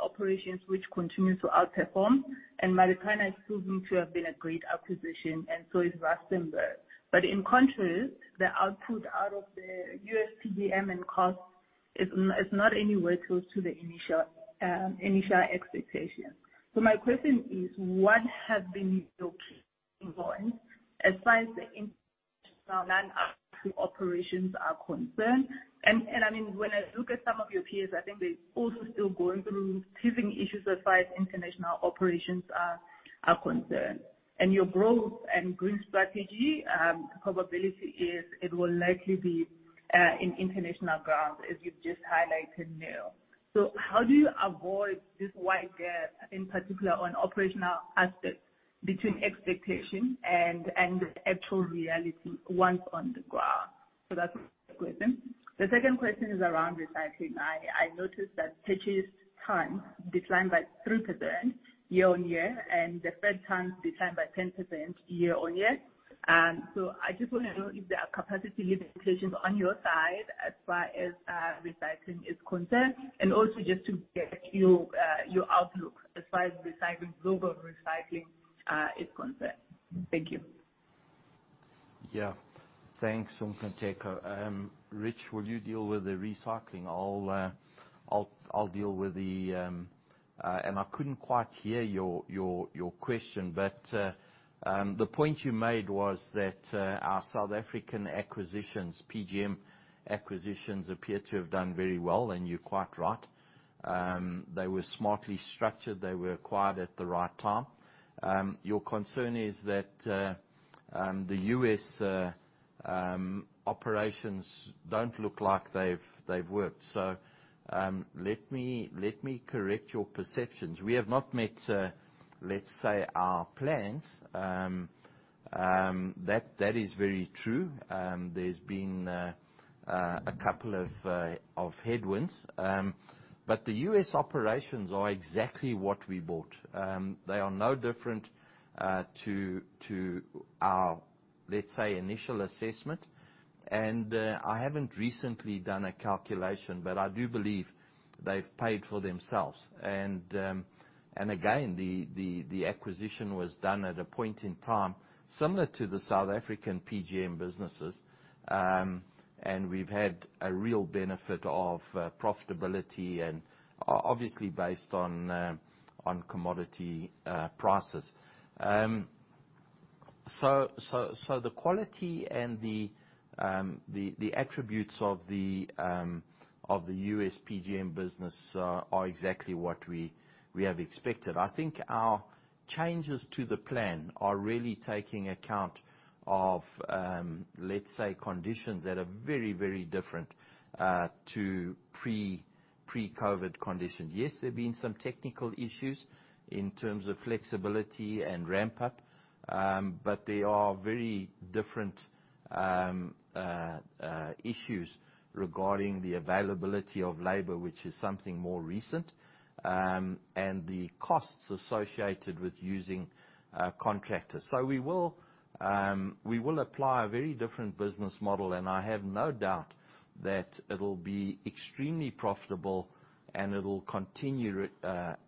operations which continue to outperform and Marikana is proven to have been a great acquisition and so is Rustenburg. In contrast, the output out of the USPGM and costs is not anywhere close to the initial expectations. My question is, what has been your key involved as far as the international non-Africa operations are concerned? I mean, when I look at some of your peers, I think they're also still going through teething issues as far as international operations are concerned. Your growth and green strategy probability is it will likely be in international grounds, as you've just highlighted now. How do you avoid this wide gap, in particular on operational assets between expectation and actual reality once on the ground? That's the question. The second question is around recycling. I noticed that purchased tons declined by 3% year-over-year and the feed tons declined by 10% year-over-year. I just wanna know if there are capacity limitations on your side as far as recycling is concerned and also just to get your outlook as far as recycling, global recycling, is concerned. Thank you. Yeah. Thanks, Nkateko. Rich, will you deal with the recycling? I'll deal with the, I couldn't quite hear your question but the point you made was that our South African acquisitions, PGM acquisitions, appear to have done very well and you're quite right. They were smartly structured. They were acquired at the right time. Your concern is that the U.S. operations don't look like they've worked. Let me correct your perceptions. We have not met, let's say, our plans. That is very true. There's been a couple of headwinds. But the U.S. operations are exactly what we bought. They are no different to our, let's say, initial assessment. I haven't recently done a calculation but I do believe they've paid for themselves. Again, the acquisition was done at a point in time similar to the South African PGM businesses. We've had a real benefit of profitability and obviously based on commodity prices. The quality and the attributes of the U.S. PGM business are exactly what we have expected. I think our changes to the plan are really taking account of, let's say, conditions that are very different to pre-COVID conditions. Yes, there's been some technical issues in terms of flexibility and ramp up but they are very different issues regarding the availability of labor, which is something more recent and the costs associated with using contractors. We will apply a very different business model and I have no doubt that it'll be extremely profitable and it'll continue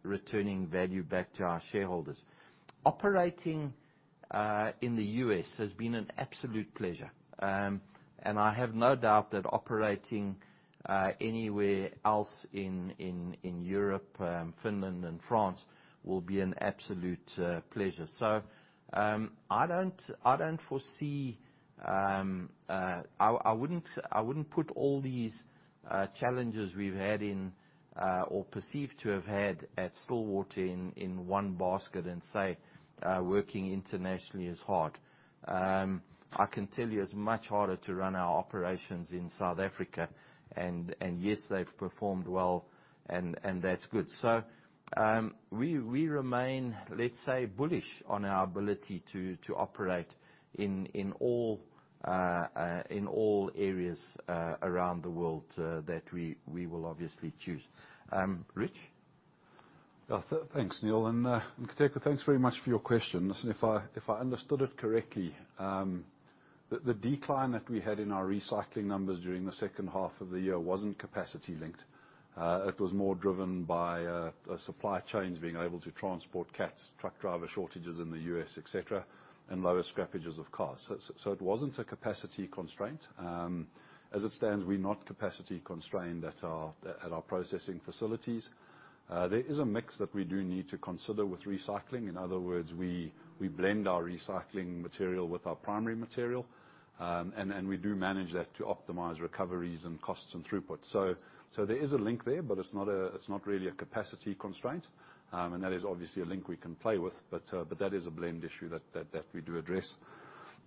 returning value back to our shareholders. Operating in the U.S. has been an absolute pleasure. I have no doubt that operating anywhere else in Europe, Finland and France will be an absolute pleasure. I don't foresee I wouldn't put all these challenges we've had in or perceived to have had at Stillwater in one basket and say working internationally is hard. I can tell you it's much harder to run our operations in South Africa. Yes, they've performed well and that's good. We remain, let's say, bullish on our ability to operate in all areas around the world that we will obviously choose. Rich? Yeah. Thanks, Neal. Nkateko, thanks very much for your question. Listen, if I understood it correctly, the decline that we had in our recycling numbers during the second half of the year wasn't capacity linked. It was more driven by supply chains being able to transport cats, truck driver shortages in the U.S., et cetera and lower scrappages of cars. It wasn't a capacity constraint. As it stands, we're not capacity constrained at our processing facilities. There is a mix that we do need to consider with recycling. In other words, we blend our recycling material with our primary material. And we do manage that to optimize recoveries and costs and throughput. There is a link there but it's not really a capacity constraint. That is obviously a link we can play with but that is a blend issue that we do address.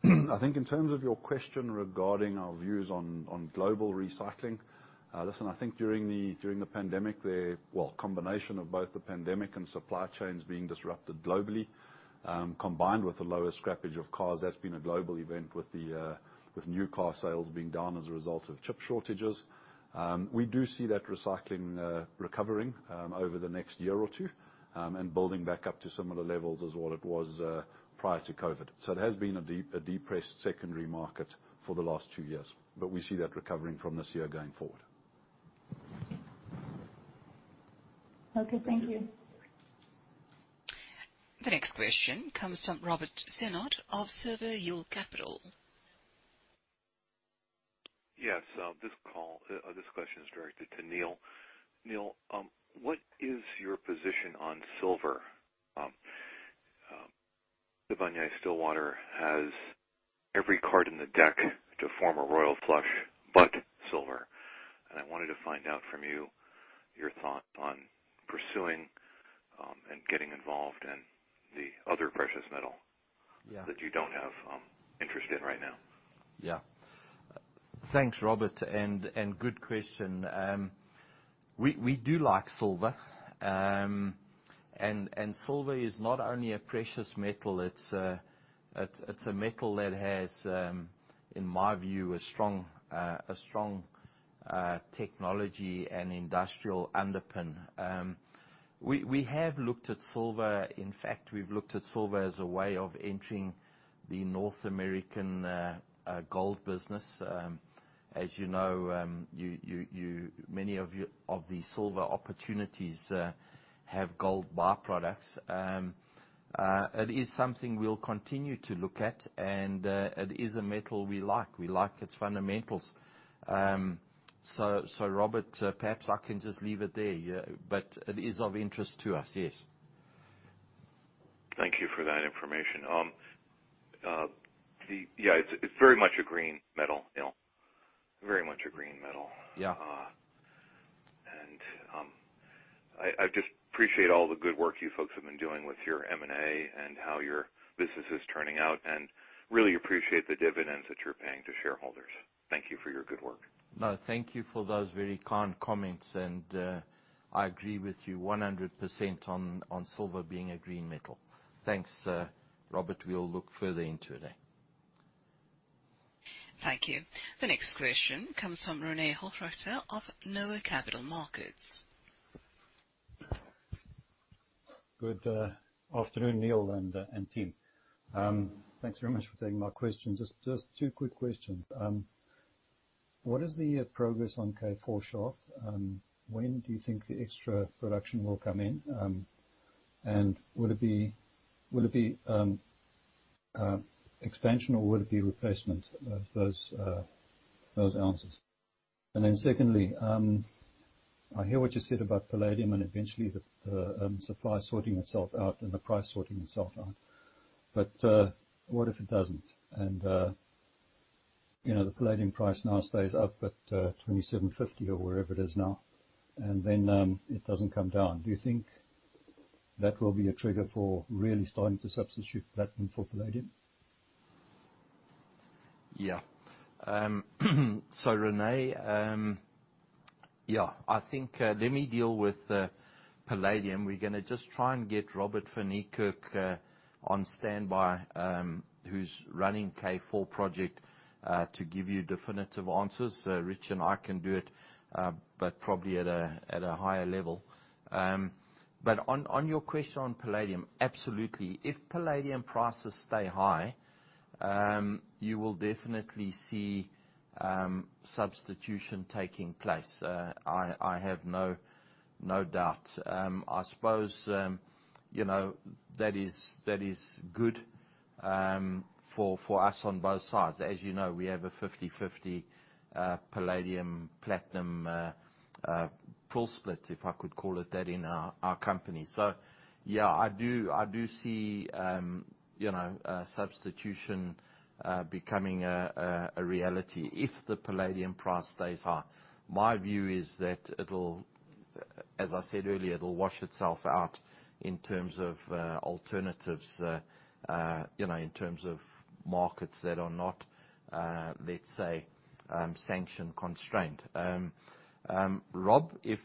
I think in terms of your question regarding our views on global recycling, listen, I think during the pandemic, well, combination of both the pandemic and supply chains being disrupted globally, combined with the lower scrappage of cars, that's been a global event with new car sales being down as a result of chip shortages. We do see that recycling recovering over the next year or two and building back up to similar levels as what it was prior to COVID. It has been a depressed secondary market for the last two years but we see that recovering from this year going forward. Okay, thank you. The next question comes from Robert Sennott of Seaver Hill Capital. Yes. This call, this question is directed to Neal. Neal, what is your position on silver? The Sibanye-Stillwater has every card in the deck to form a royal flush but silver. I wanted to find out from you your thought on pursuing and getting involved in the other precious metal that you don't have interest in right now. Yeah. Thanks, Robert. Good question. We do like silver. Silver is not only a precious metal, it's a metal that has, in my view, a strong technology and industrial underpinning. We have looked at silver. In fact, we've looked at silver as a way of entering the North American gold business. As you know, many of the silver opportunities have gold by-products. It is something we'll continue to look at and it is a metal we like. We like its fundamentals. Robert, perhaps I can just leave it there. Yeah. It is of interest to us, yes. Thank you for that information. Yeah, it's very much a green metal, Neal. Very much a green metal. I just appreciate all the good work you folks have been doing with your M&A and how your business is turning out and really appreciate the dividends that you're paying to shareholders. Thank you for your good work. No, thank you for those very kind comments. I agree with you 100% on silver being a green metal. Thanks, Robert. We'll look further into it. Thank you. The next question comes from René Hochreiter of NOAH Capital Markets. Good afternoon, Neal and team. Thanks very much for taking my questions. Just two quick questions. What is the progress on K4 shaft? When do you think the extra production will come in? And would it be expansion or would it be replacement of those ounces? And then secondly, I hear what you said about palladium and eventually the supply sorting itself out and the price sorting itself out. But what if it doesn't? And you know, the palladium price now stays up at $2,750 or wherever it is now and then it doesn't come down. Do you think that will be a trigger for really starting to substitute platinum for palladium? Yeah. René, yeah, I think, let me deal with the palladium. We're gonna just try and get Robert van Niekerk on standby, who's running K4 project, to give you definitive answers. Rich and I can do it but probably at a higher level. On your question on palladium, absolutely. If palladium prices stay high, you will definitely see substitution taking place. I have no doubt. I suppose, you know, that is good for us on both sides. As you know, we have a 50/50 palladium-platinum pool split, if I could call it that, in our company. Yeah, I do see, you know, substitution becoming a reality if the palladium price stays high. My view is that, as I said earlier, it'll wash itself out in terms of alternatives, you know, in terms of markets that are not, let's say, sanction constrained. Rob, if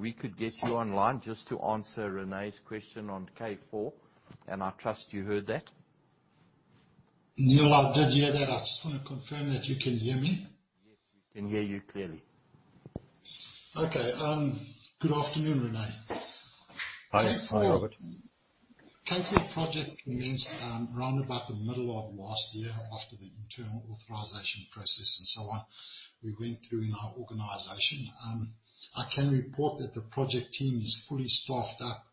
we could get you online just to answer Rene's question on K4 and I trust you heard that. Neal, I did hear that. I just wanna confirm that you can hear me. Yes, we can hear you clearly. Okay. Good afternoon, René. Hi. Hi, Robert. K4 project commenced round about the middle of last year after the internal authorization process and so on we went through in our organization. I can report that the project team is fully staffed up.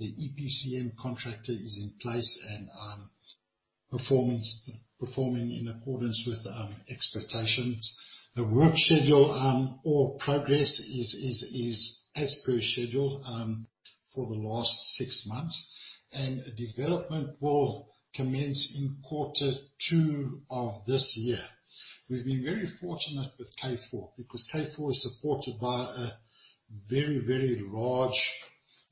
The EPCM contractor is in place and performing in accordance with expectations. The work schedule or progress is as per schedule for the last six months. Development will commence in quarter two of this year. We've been very fortunate with K4 because K4 is supported by a very very large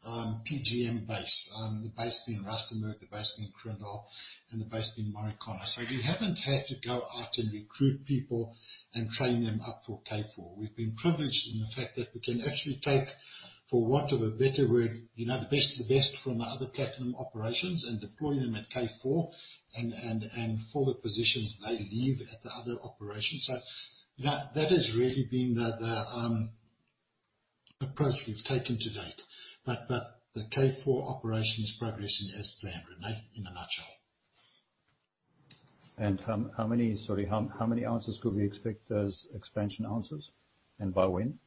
PGM base. The base being Rustenburg, the base being Kroondal and the base being Marikana. We haven't had to go out and recruit people and train them up for K4. We've been privileged in the fact that we can actually take, for want of a better word, you know, the best of the best from the other platinum operations and deploy them at K4 and fill the positions they leave at the other operations. You know, that has really been the approach we've taken to date. The K4 operation is progressing as planned, René, in a nutshell. How many ounces could we expect as expansion ounces and by when?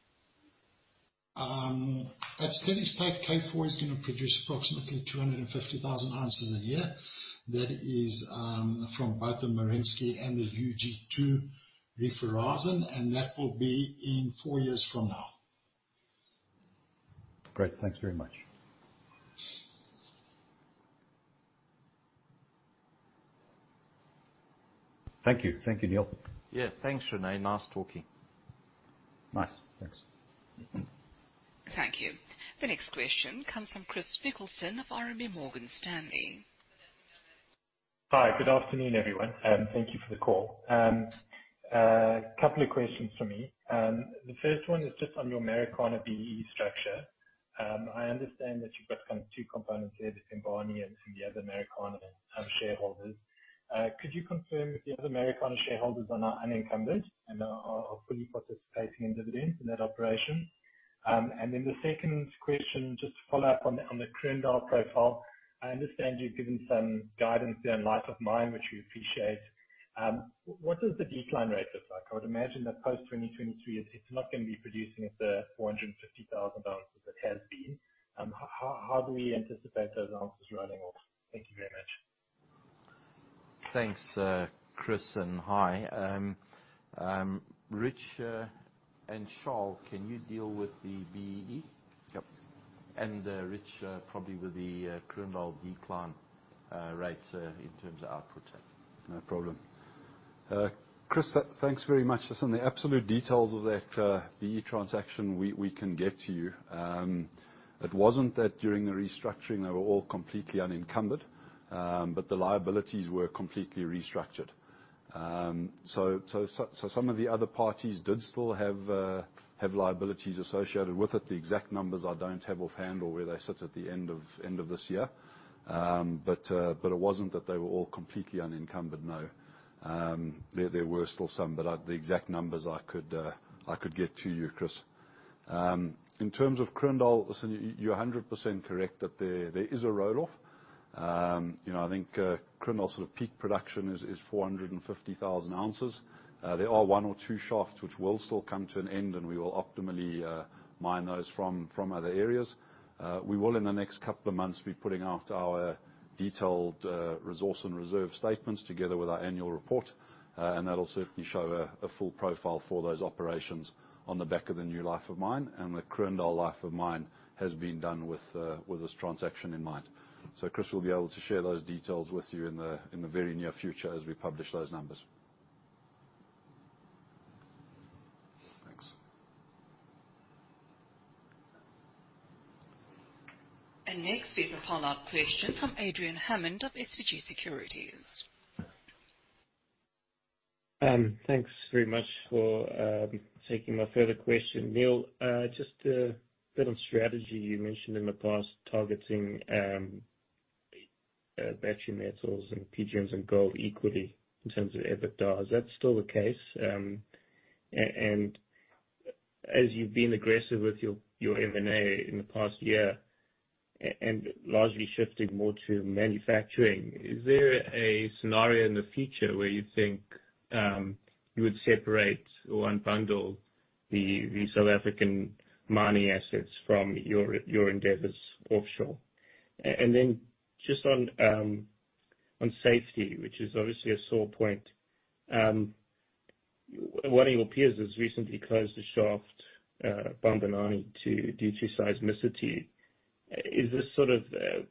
At steady state, K4 is gonna produce approximately 250,000 ounces a year. That is, from both the Merensky and the UG2 reefs and that will be in four years from now. Great. Thanks very much. Thank you. Thank you, Neal. Yeah, thanks, René. Nice talking. Nice. Thanks. Thank you. The next question comes from Chris Nicholson of RMB Morgan Stanley. Hi, good afternoon, everyone and thank you for the call. A couple of questions from me. The first one is just on your Marikana BEE structure. I understand that you've got kind of two components there, the Sibanye and the other Marikana shareholders. Could you confirm if the other Marikana shareholders are now unencumbered and are fully participating in dividends in that operation? The second question, just to follow up on the Kroondal profile. I understand you've given some guidance there in light of mine, which we appreciate. What does the decline rate look like? I would imagine that post-2023 it's not gonna be producing at the 450,000 ounces it has been. How do we anticipate those ounces running off? Thank you very much. Thanks, Chris and hi. Rich and Charles, can you deal with the BEE? Yep. Rich, probably with the Kroondal decline rate in terms of output. No problem. Chris, thanks very much. Listen, the absolute details of that BEE transaction we can get to you. It wasn't that during the restructuring they were all completely unencumbered but the liabilities were completely restructured. Some of the other parties did still have liabilities associated with it. The exact numbers I don't have offhand or where they sit at the end of this year. It wasn't that they were all completely unencumbered, no. There were still some but I'll get the exact numbers to you, Chris. In terms of Kroondal, listen, you're 100% correct that there is a roll-off. You know, I think Kroondal's sort of peak production is 450,000 ounces. There are one or two shafts which will still come to an end and we will optimally mine those from other areas. We will in the next couple of months be putting out our detailed resource and reserve statements together with our annual report. That'll certainly show a full profile for those operations on the back of the new life of mine. The Kroondal life of mine has been done with this transaction in mind. Chris, we'll be able to share those details with you in the very near future as we publish those numbers. Thanks. Next is a follow-up question from Adrian Hammond of SBG Securities. Thanks very much for taking my further question, Neal. Just a bit on strategy. You mentioned in the past targeting battery metals and PGMs and gold equally in terms of EBITDA. Is that still the case? As you've been aggressive with your M&A in the past year and largely shifting more to manufacturing, is there a scenario in the future where you think you would separate or unbundle the South African mining assets from your endeavors offshore? Just on safety, which is obviously a sore point, one of your peers has recently closed a shaft due to seismicity. Is this sort of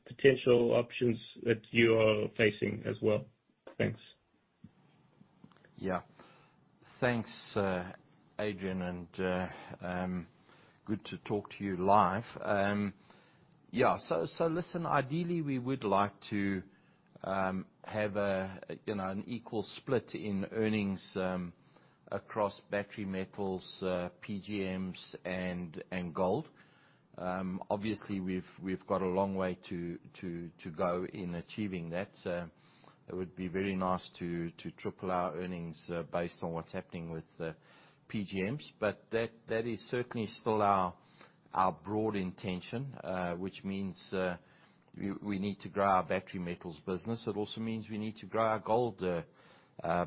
potential options that you are facing as well? Thanks. Yeah. Thanks, Adrian and good to talk to you live. Yeah. Listen, ideally we would like to have a, you know, an equal split in earnings across battery metals, PGMs and gold. Obviously we've got a long way to go in achieving that. It would be very nice to triple our earnings based on what's happening with PGMs. That is certainly still our broad intention which means we need to grow our battery metals business. It also means we need to grow our gold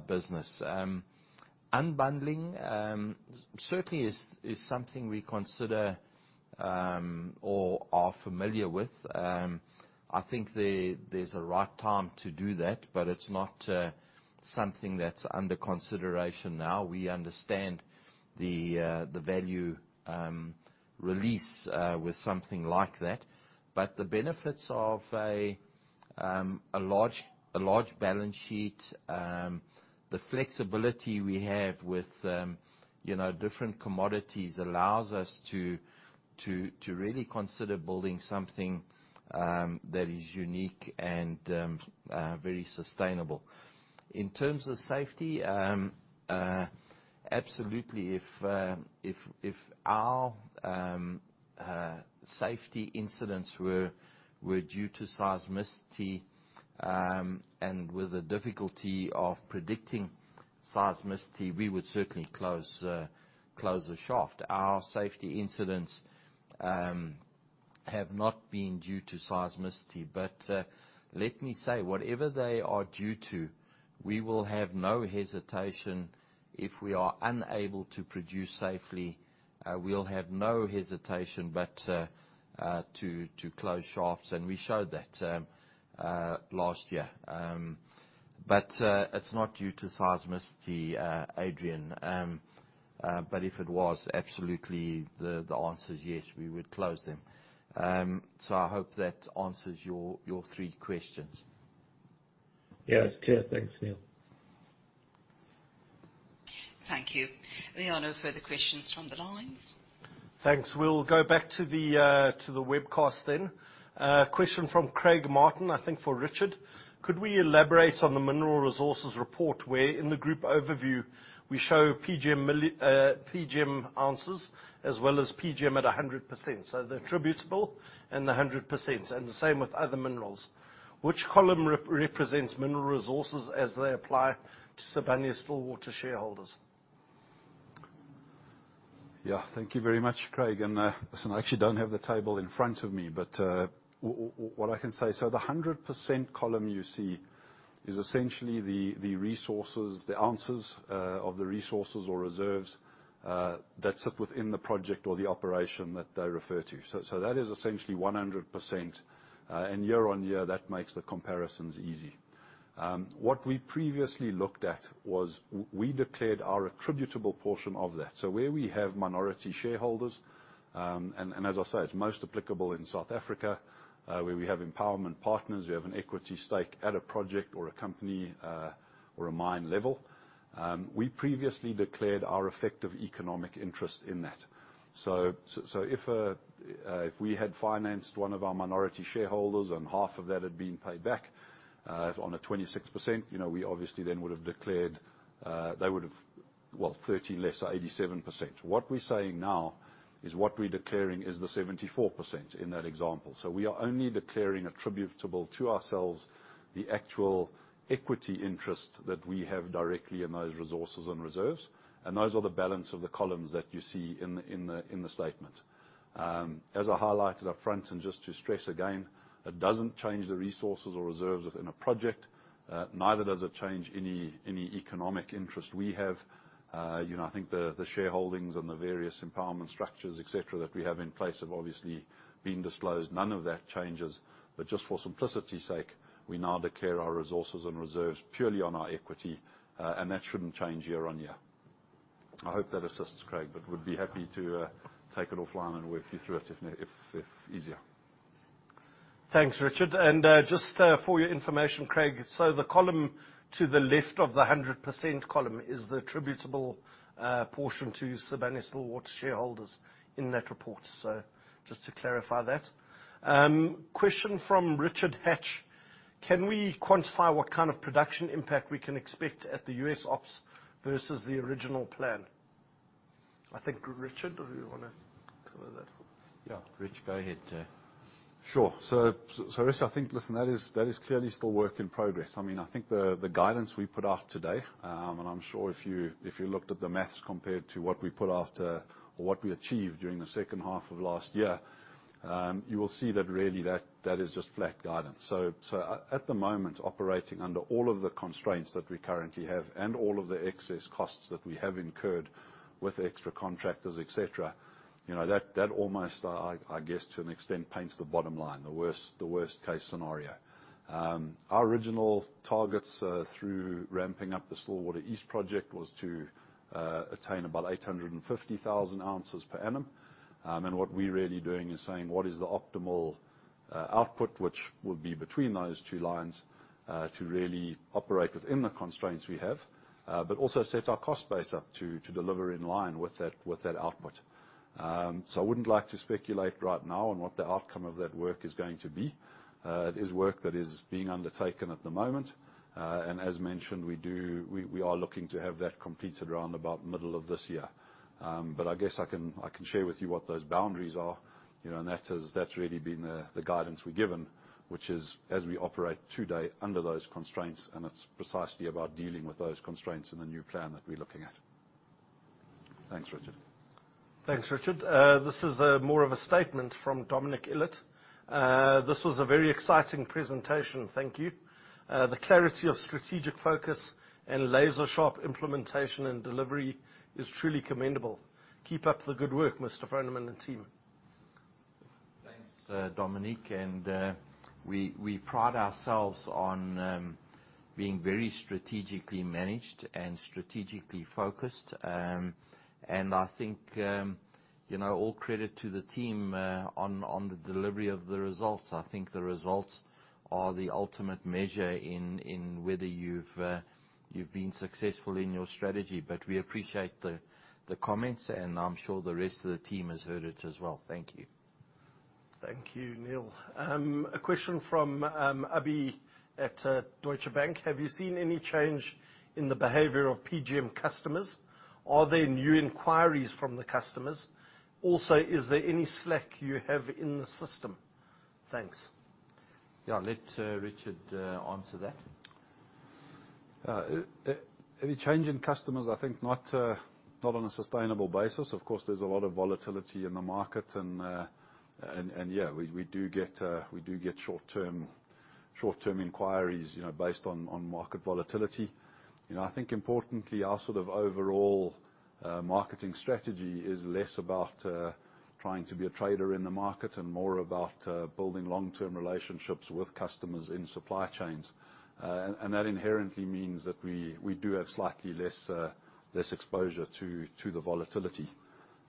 business. Unbundling certainly is something we consider or are familiar with. I think there's a right time to do that but it's not something that's under consideration now. We understand the value release with something like that. The benefits of a large balance sheet, the flexibility we have with you know different commodities allows us to really consider building something that is unique and very sustainable. In terms of safety, absolutely, if our safety incidents were due to seismicity and with the difficulty of predicting seismicity, we would certainly close the shaft. Our safety incidents have not been due to seismicity. Let me say, whatever they are due to, we will have no hesitation if we are unable to produce safely, we'll have no hesitation but to close shafts and we showed that last year. It's not due to seismicity, Adrian. If it was, absolutely, the answer is yes, we would close them. I hope that answers your three questions. Yes, sure. Thanks, Neal. Thank you. There are no further questions from the lines. Thanks. We'll go back to the webcast then. Question from Craig Martin, I think for Richard. Could we elaborate on the mineral resources report where in the group overview we show PGM ounces as well as PGM at 100%, so the attributable and the 100% and the same with other minerals. Which column represents mineral resources as they apply to Sibanye-Stillwater shareholders? Yeah. Thank you very much, Craig and listen, I actually don't have the table in front of me but what I can say, the 100% column you see is essentially the resources, the ounces of the resources or reserves that sit within the project or the operation that they refer to. That is essentially 100% and year-on-year, that makes the comparisons easy. What we previously looked at was we declared our attributable portion of that. Where we have minority shareholders and as I say, it's most applicable in South Africa, where we have empowerment partners, we have an equity stake at a project or a company or a mine level, we previously declared our effective economic interest in that. If we had financed one of our minority shareholders and half of that had been paid back, on a 26%, you know, we obviously then would have declared, they would have, well, 30 less, so 87%. What we're saying now is what we're declaring is the 74% in that example. We are only declaring attributable to ourselves the actual equity interest that we have directly in those resources and reserves and those are the balance of the columns that you see in the statement. As I highlighted up front and just to stress again, it doesn't change the resources or reserves within a project, neither does it change any economic interest we have. You know, I think the shareholdings and the various empowerment structures, et cetera, that we have in place have obviously been disclosed. None of that changes. Just for simplicity's sake, we now declare our resources and reserves purely on our equity and that shouldn't change year-on-year. I hope that assists, Craig but we'd be happy to take it offline and work you through it if easier. Thanks, Richard. Just for your information, Craig, the column to the left of the 100% column is the attributable portion to Sibanye-Stillwater shareholders in that report. Just to clarify that. Question from Richard Hatch, can we quantify what kind of production impact we can expect at the U.S. ops versus the original plan? I think Richard or do you wanna cover that? Yeah, Rich, go ahead. Sure. Richard, I think, listen, that is clearly still work in progress. I mean, I think the guidance we put out today and I'm sure if you looked at the math compared to what we put out or what we achieved during the second half of last year, you will see that really that is just flat guidance. At the moment, operating under all of the constraints that we currently have and all of the excess costs that we have incurred with extra contractors, et cetera, you know, that almost, I guess, to an extent, paints the bottom line, the worst case scenario. Our original targets through ramping up the Stillwater East project was to attain about 850,000 ounces per annum. What we're really doing is saying what is the optimal output which would be between those two lines to really operate within the constraints we have but also set our cost base up to deliver in line with that output. I wouldn't like to speculate right now on what the outcome of that work is going to be. It is work that is being undertaken at the moment and as mentioned, we are looking to have that completed around about middle of this year. I guess I can share with you what those boundaries are, you know and that's really been the guidance we're given, which is as we operate today under those constraints and it's precisely about dealing with those constraints in the new plan that we're looking at. Thanks, Richard. Thanks, Richard. This is more of a statement from Dominic O'Kane. This was a very exciting presentation. Thank you. The clarity of strategic focus and laser sharp implementation and delivery is truly commendable. Keep up the good work, Mr. Froneman and team. Thanks, Dominic. We pride ourselves on being very strategically managed and strategically focused. I think you know, all credit to the team on the delivery of the results. I think the results are the ultimate measure in whether you've been successful in your strategy. We appreciate the comments and I'm sure the rest of the team has heard it as well. Thank you. Thank you, Neal. A question from Abhi at Deutsche Bank. Have you seen any change in the behavior of PGM customers? Are there new inquiries from the customers? Also, is there any slack you have in the system? Thanks. Yeah, I'll let Richard answer that. Any change in customers, I think not on a sustainable basis. Of course, there's a lot of volatility in the market and yeah, we do get short-term inquiries, you know, based on market volatility. You know, I think importantly, our overall marketing strategy is less about trying to be a trader in the market and more about building long-term relationships with customers in supply chains. That inherently means that we do have slightly less exposure to the volatility.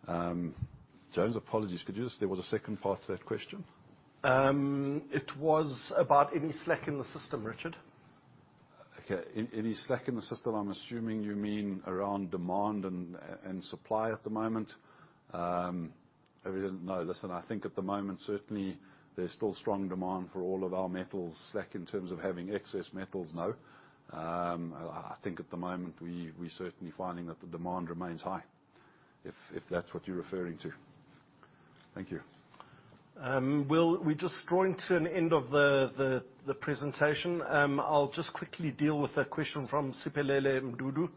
James, apologies, could you just, there was a second part to that question. It was about any slack in the system, Richard. Okay. Any slack in the system, I'm assuming you mean around demand and supply at the moment? I really didn't know. Listen, I think at the moment, certainly there's still strong demand for all of our metals. Slack in terms of having excess metals, no. I think at the moment, we certainly finding that the demand remains high, if that's what you're referring to. Thank you. Well, we're just drawing to an end of the presentation. I'll just quickly deal with a question from Siphelele Mdudu,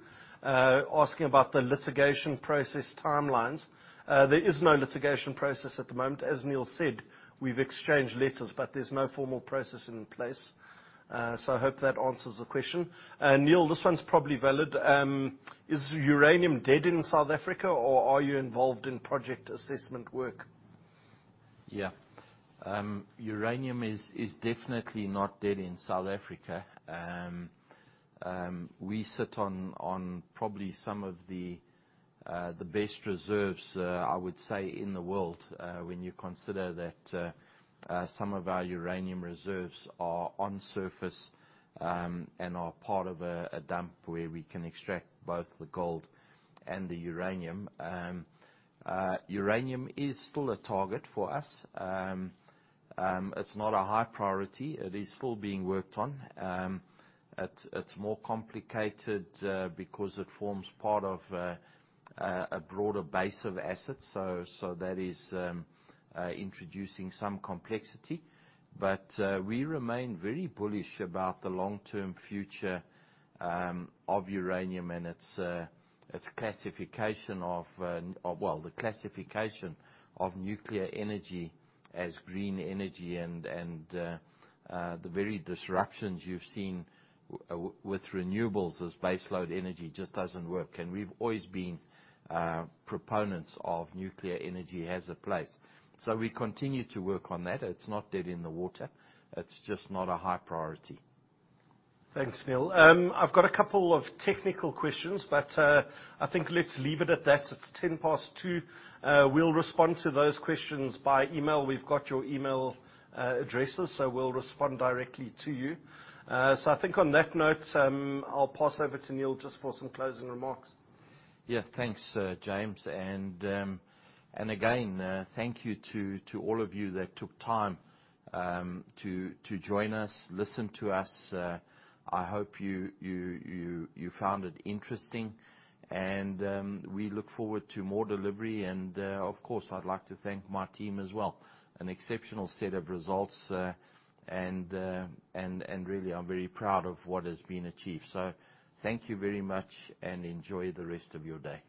asking about the litigation process timelines. There is no litigation process at the moment. As Neal said, we've exchanged letters but there's no formal process in place. So I hope that answers the question. Neal, this one's probably valid. Is uranium dead in South Africa or are you involved in project assessment work? Yeah. Uranium is definitely not dead in South Africa. We sit on probably some of the best reserves, I would say in the world, when you consider that some of our uranium reserves are on surface and are part of a dump where we can extract both the gold and the uranium. Uranium is still a target for us. It's not a high priority. It is still being worked on. It's more complicated because it forms part of a broader base of assets. That is introducing some complexity. We remain very bullish about the long-term future of uranium and the classification of nuclear energy as green energy and the very disruptions you've seen with renewables as base load energy just doesn't work. We've always been proponents of nuclear energy has a place. We continue to work on that. It's not dead in the water. It's just not a high priority. Thanks, Neal. I've got a couple of technical questions but, I think let's leave it at that. It's 2:10 P.M. We'll respond to those questions by email. We've got your email addresses, so we'll respond directly to you. I think on that note, I'll pass over to Neal just for some closing remarks. Yeah. Thanks, James. Again, thank you to all of you that took time to join us, listen to us. I hope you found it interesting. We look forward to more delivery. Of course I'd like to thank my team as well. An exceptional set of results. Really, I'm very proud of what has been achieved. Thank you very much and enjoy the rest of your day.